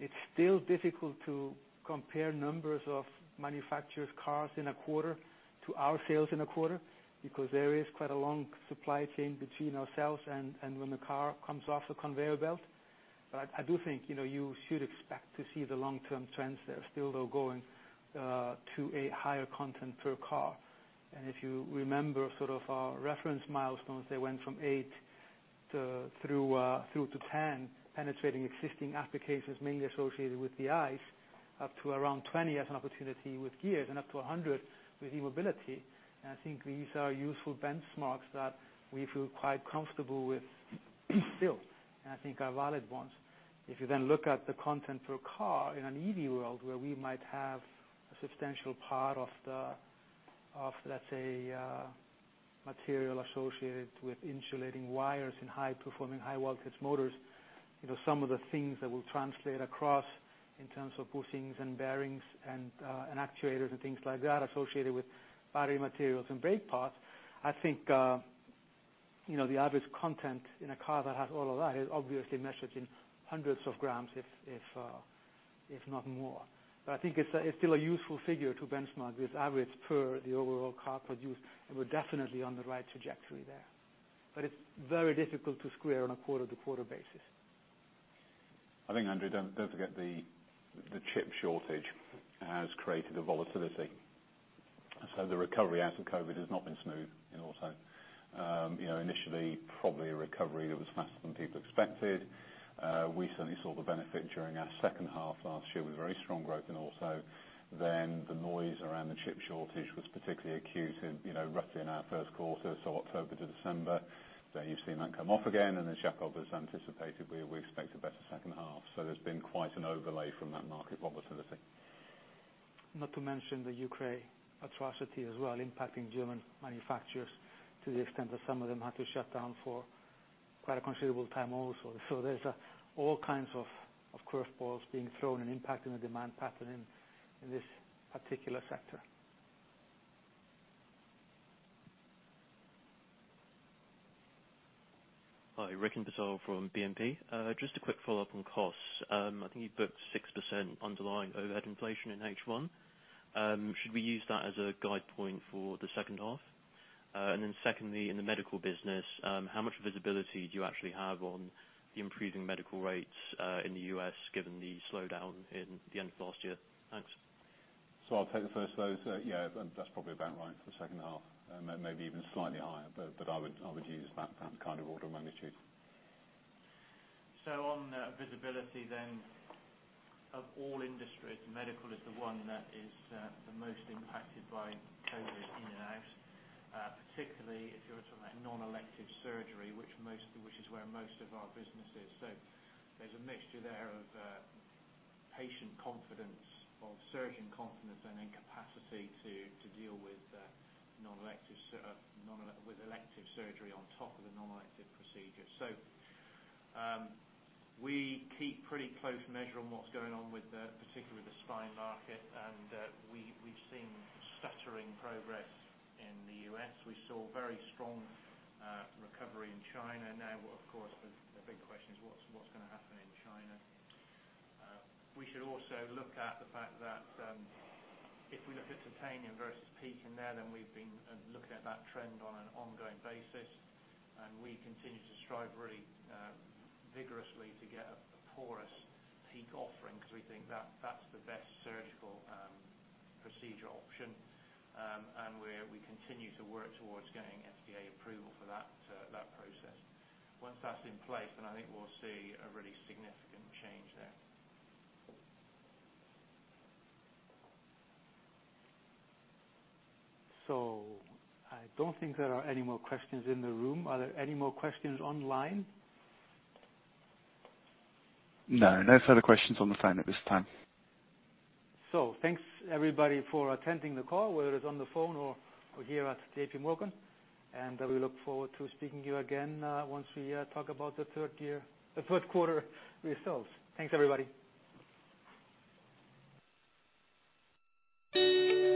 It's still difficult to compare numbers of manufacturers' cars in a quarter to our sales in a quarter because there is quite a long supply chain between ourselves and when the car comes off the conveyor belt. I do think, you know, you should expect to see the long-term trends there still though going to a higher content per car. If you remember sort of our reference milestones, they went from 8-10, penetrating existing applications mainly associated with the ICE, up to around 20 as an opportunity with gears and up to 100 with e-mobility. I think these are useful benchmarks that we feel quite comfortable with still, and I think are valid ones. If you then look at the content per car in an EV world where we might have a substantial part of the, let's say, material associated with insulating wires in high performing, high voltage motors. You know, some of the things that will translate across in terms of bushings and bearings and actuators and things like that associated with battery materials and brake parts. I think, you know, the average content in a car that has all of that is obviously measured in hundreds of grams, if not more. I think it's still a useful figure to benchmark this average per the overall car produced, and we're definitely on the right trajectory there. It's very difficult to square on a quarter-to-quarter basis. I think, Andrew, don't forget the chip shortage has created a volatility. The recovery out of COVID has not been smooth in auto. Initially probably a recovery that was faster than people expected. We certainly saw the benefit during our second half last year with very strong growth. Also then the noise around the chip shortage was particularly acute in roughly our Q1, so October to December. You've seen that come off again, and as Jakob has anticipated, we expect a better second half. There's been quite an overlay from that market volatility. Not to mention the Ukraine atrocity as well, impacting German manufacturers to the extent that some of them had to shut down for quite a considerable time also. There's all kinds of curve balls being thrown and impacting the demand pattern in this particular sector. Hi, [Raquel de-la-Sota from BNP]. Just a quick follow-up on costs. I think you booked 6% underlying overhead inflation in H1. Should we use that as a guide point for the second half? Then secondly, in the medical business, how much visibility do you actually have on the improving medical rates, in the U.S given the slowdown in the end of last year? Thanks. I'll take the first of those. Yeah, that's probably about right for the second half, maybe even slightly higher. But I would use that kind of order of magnitude. On visibility then, of all industries, medical is the one that is the most impacted by COVID in and out. Particularly if you're talking about non-elective surgery, which is where most of our business is. There's a mixture there of patient confidence or surgeon confidence and incapacity to deal with elective surgery on top of the non-elective procedure. We keep pretty close measure on what's going on with, particularly the spine market and, we've seen stuttering progress in the U.S. We saw very strong recovery in China. Now, of course, the big question is what's gonna happen in China? We should also look at the fact that, if we look at titanium versus PEEK in there, then we've been looking at that trend on an ongoing basis. We continue to strive really, vigorously to get a porous PEEK offering 'cause we think that that's the best surgical, procedure option. We continue to work towards getting FDA approval for that process. Once that's in place, I think we'll see a really significant change there. I don't think there are any more questions in the room. Are there any more questions online? No, no further questions on the phone at this time. Thanks everybody for attending the call, whether it's on the phone or here at JPMorgan, and we look forward to speaking to you again once we talk about the Q3 results. Thanks, everybody.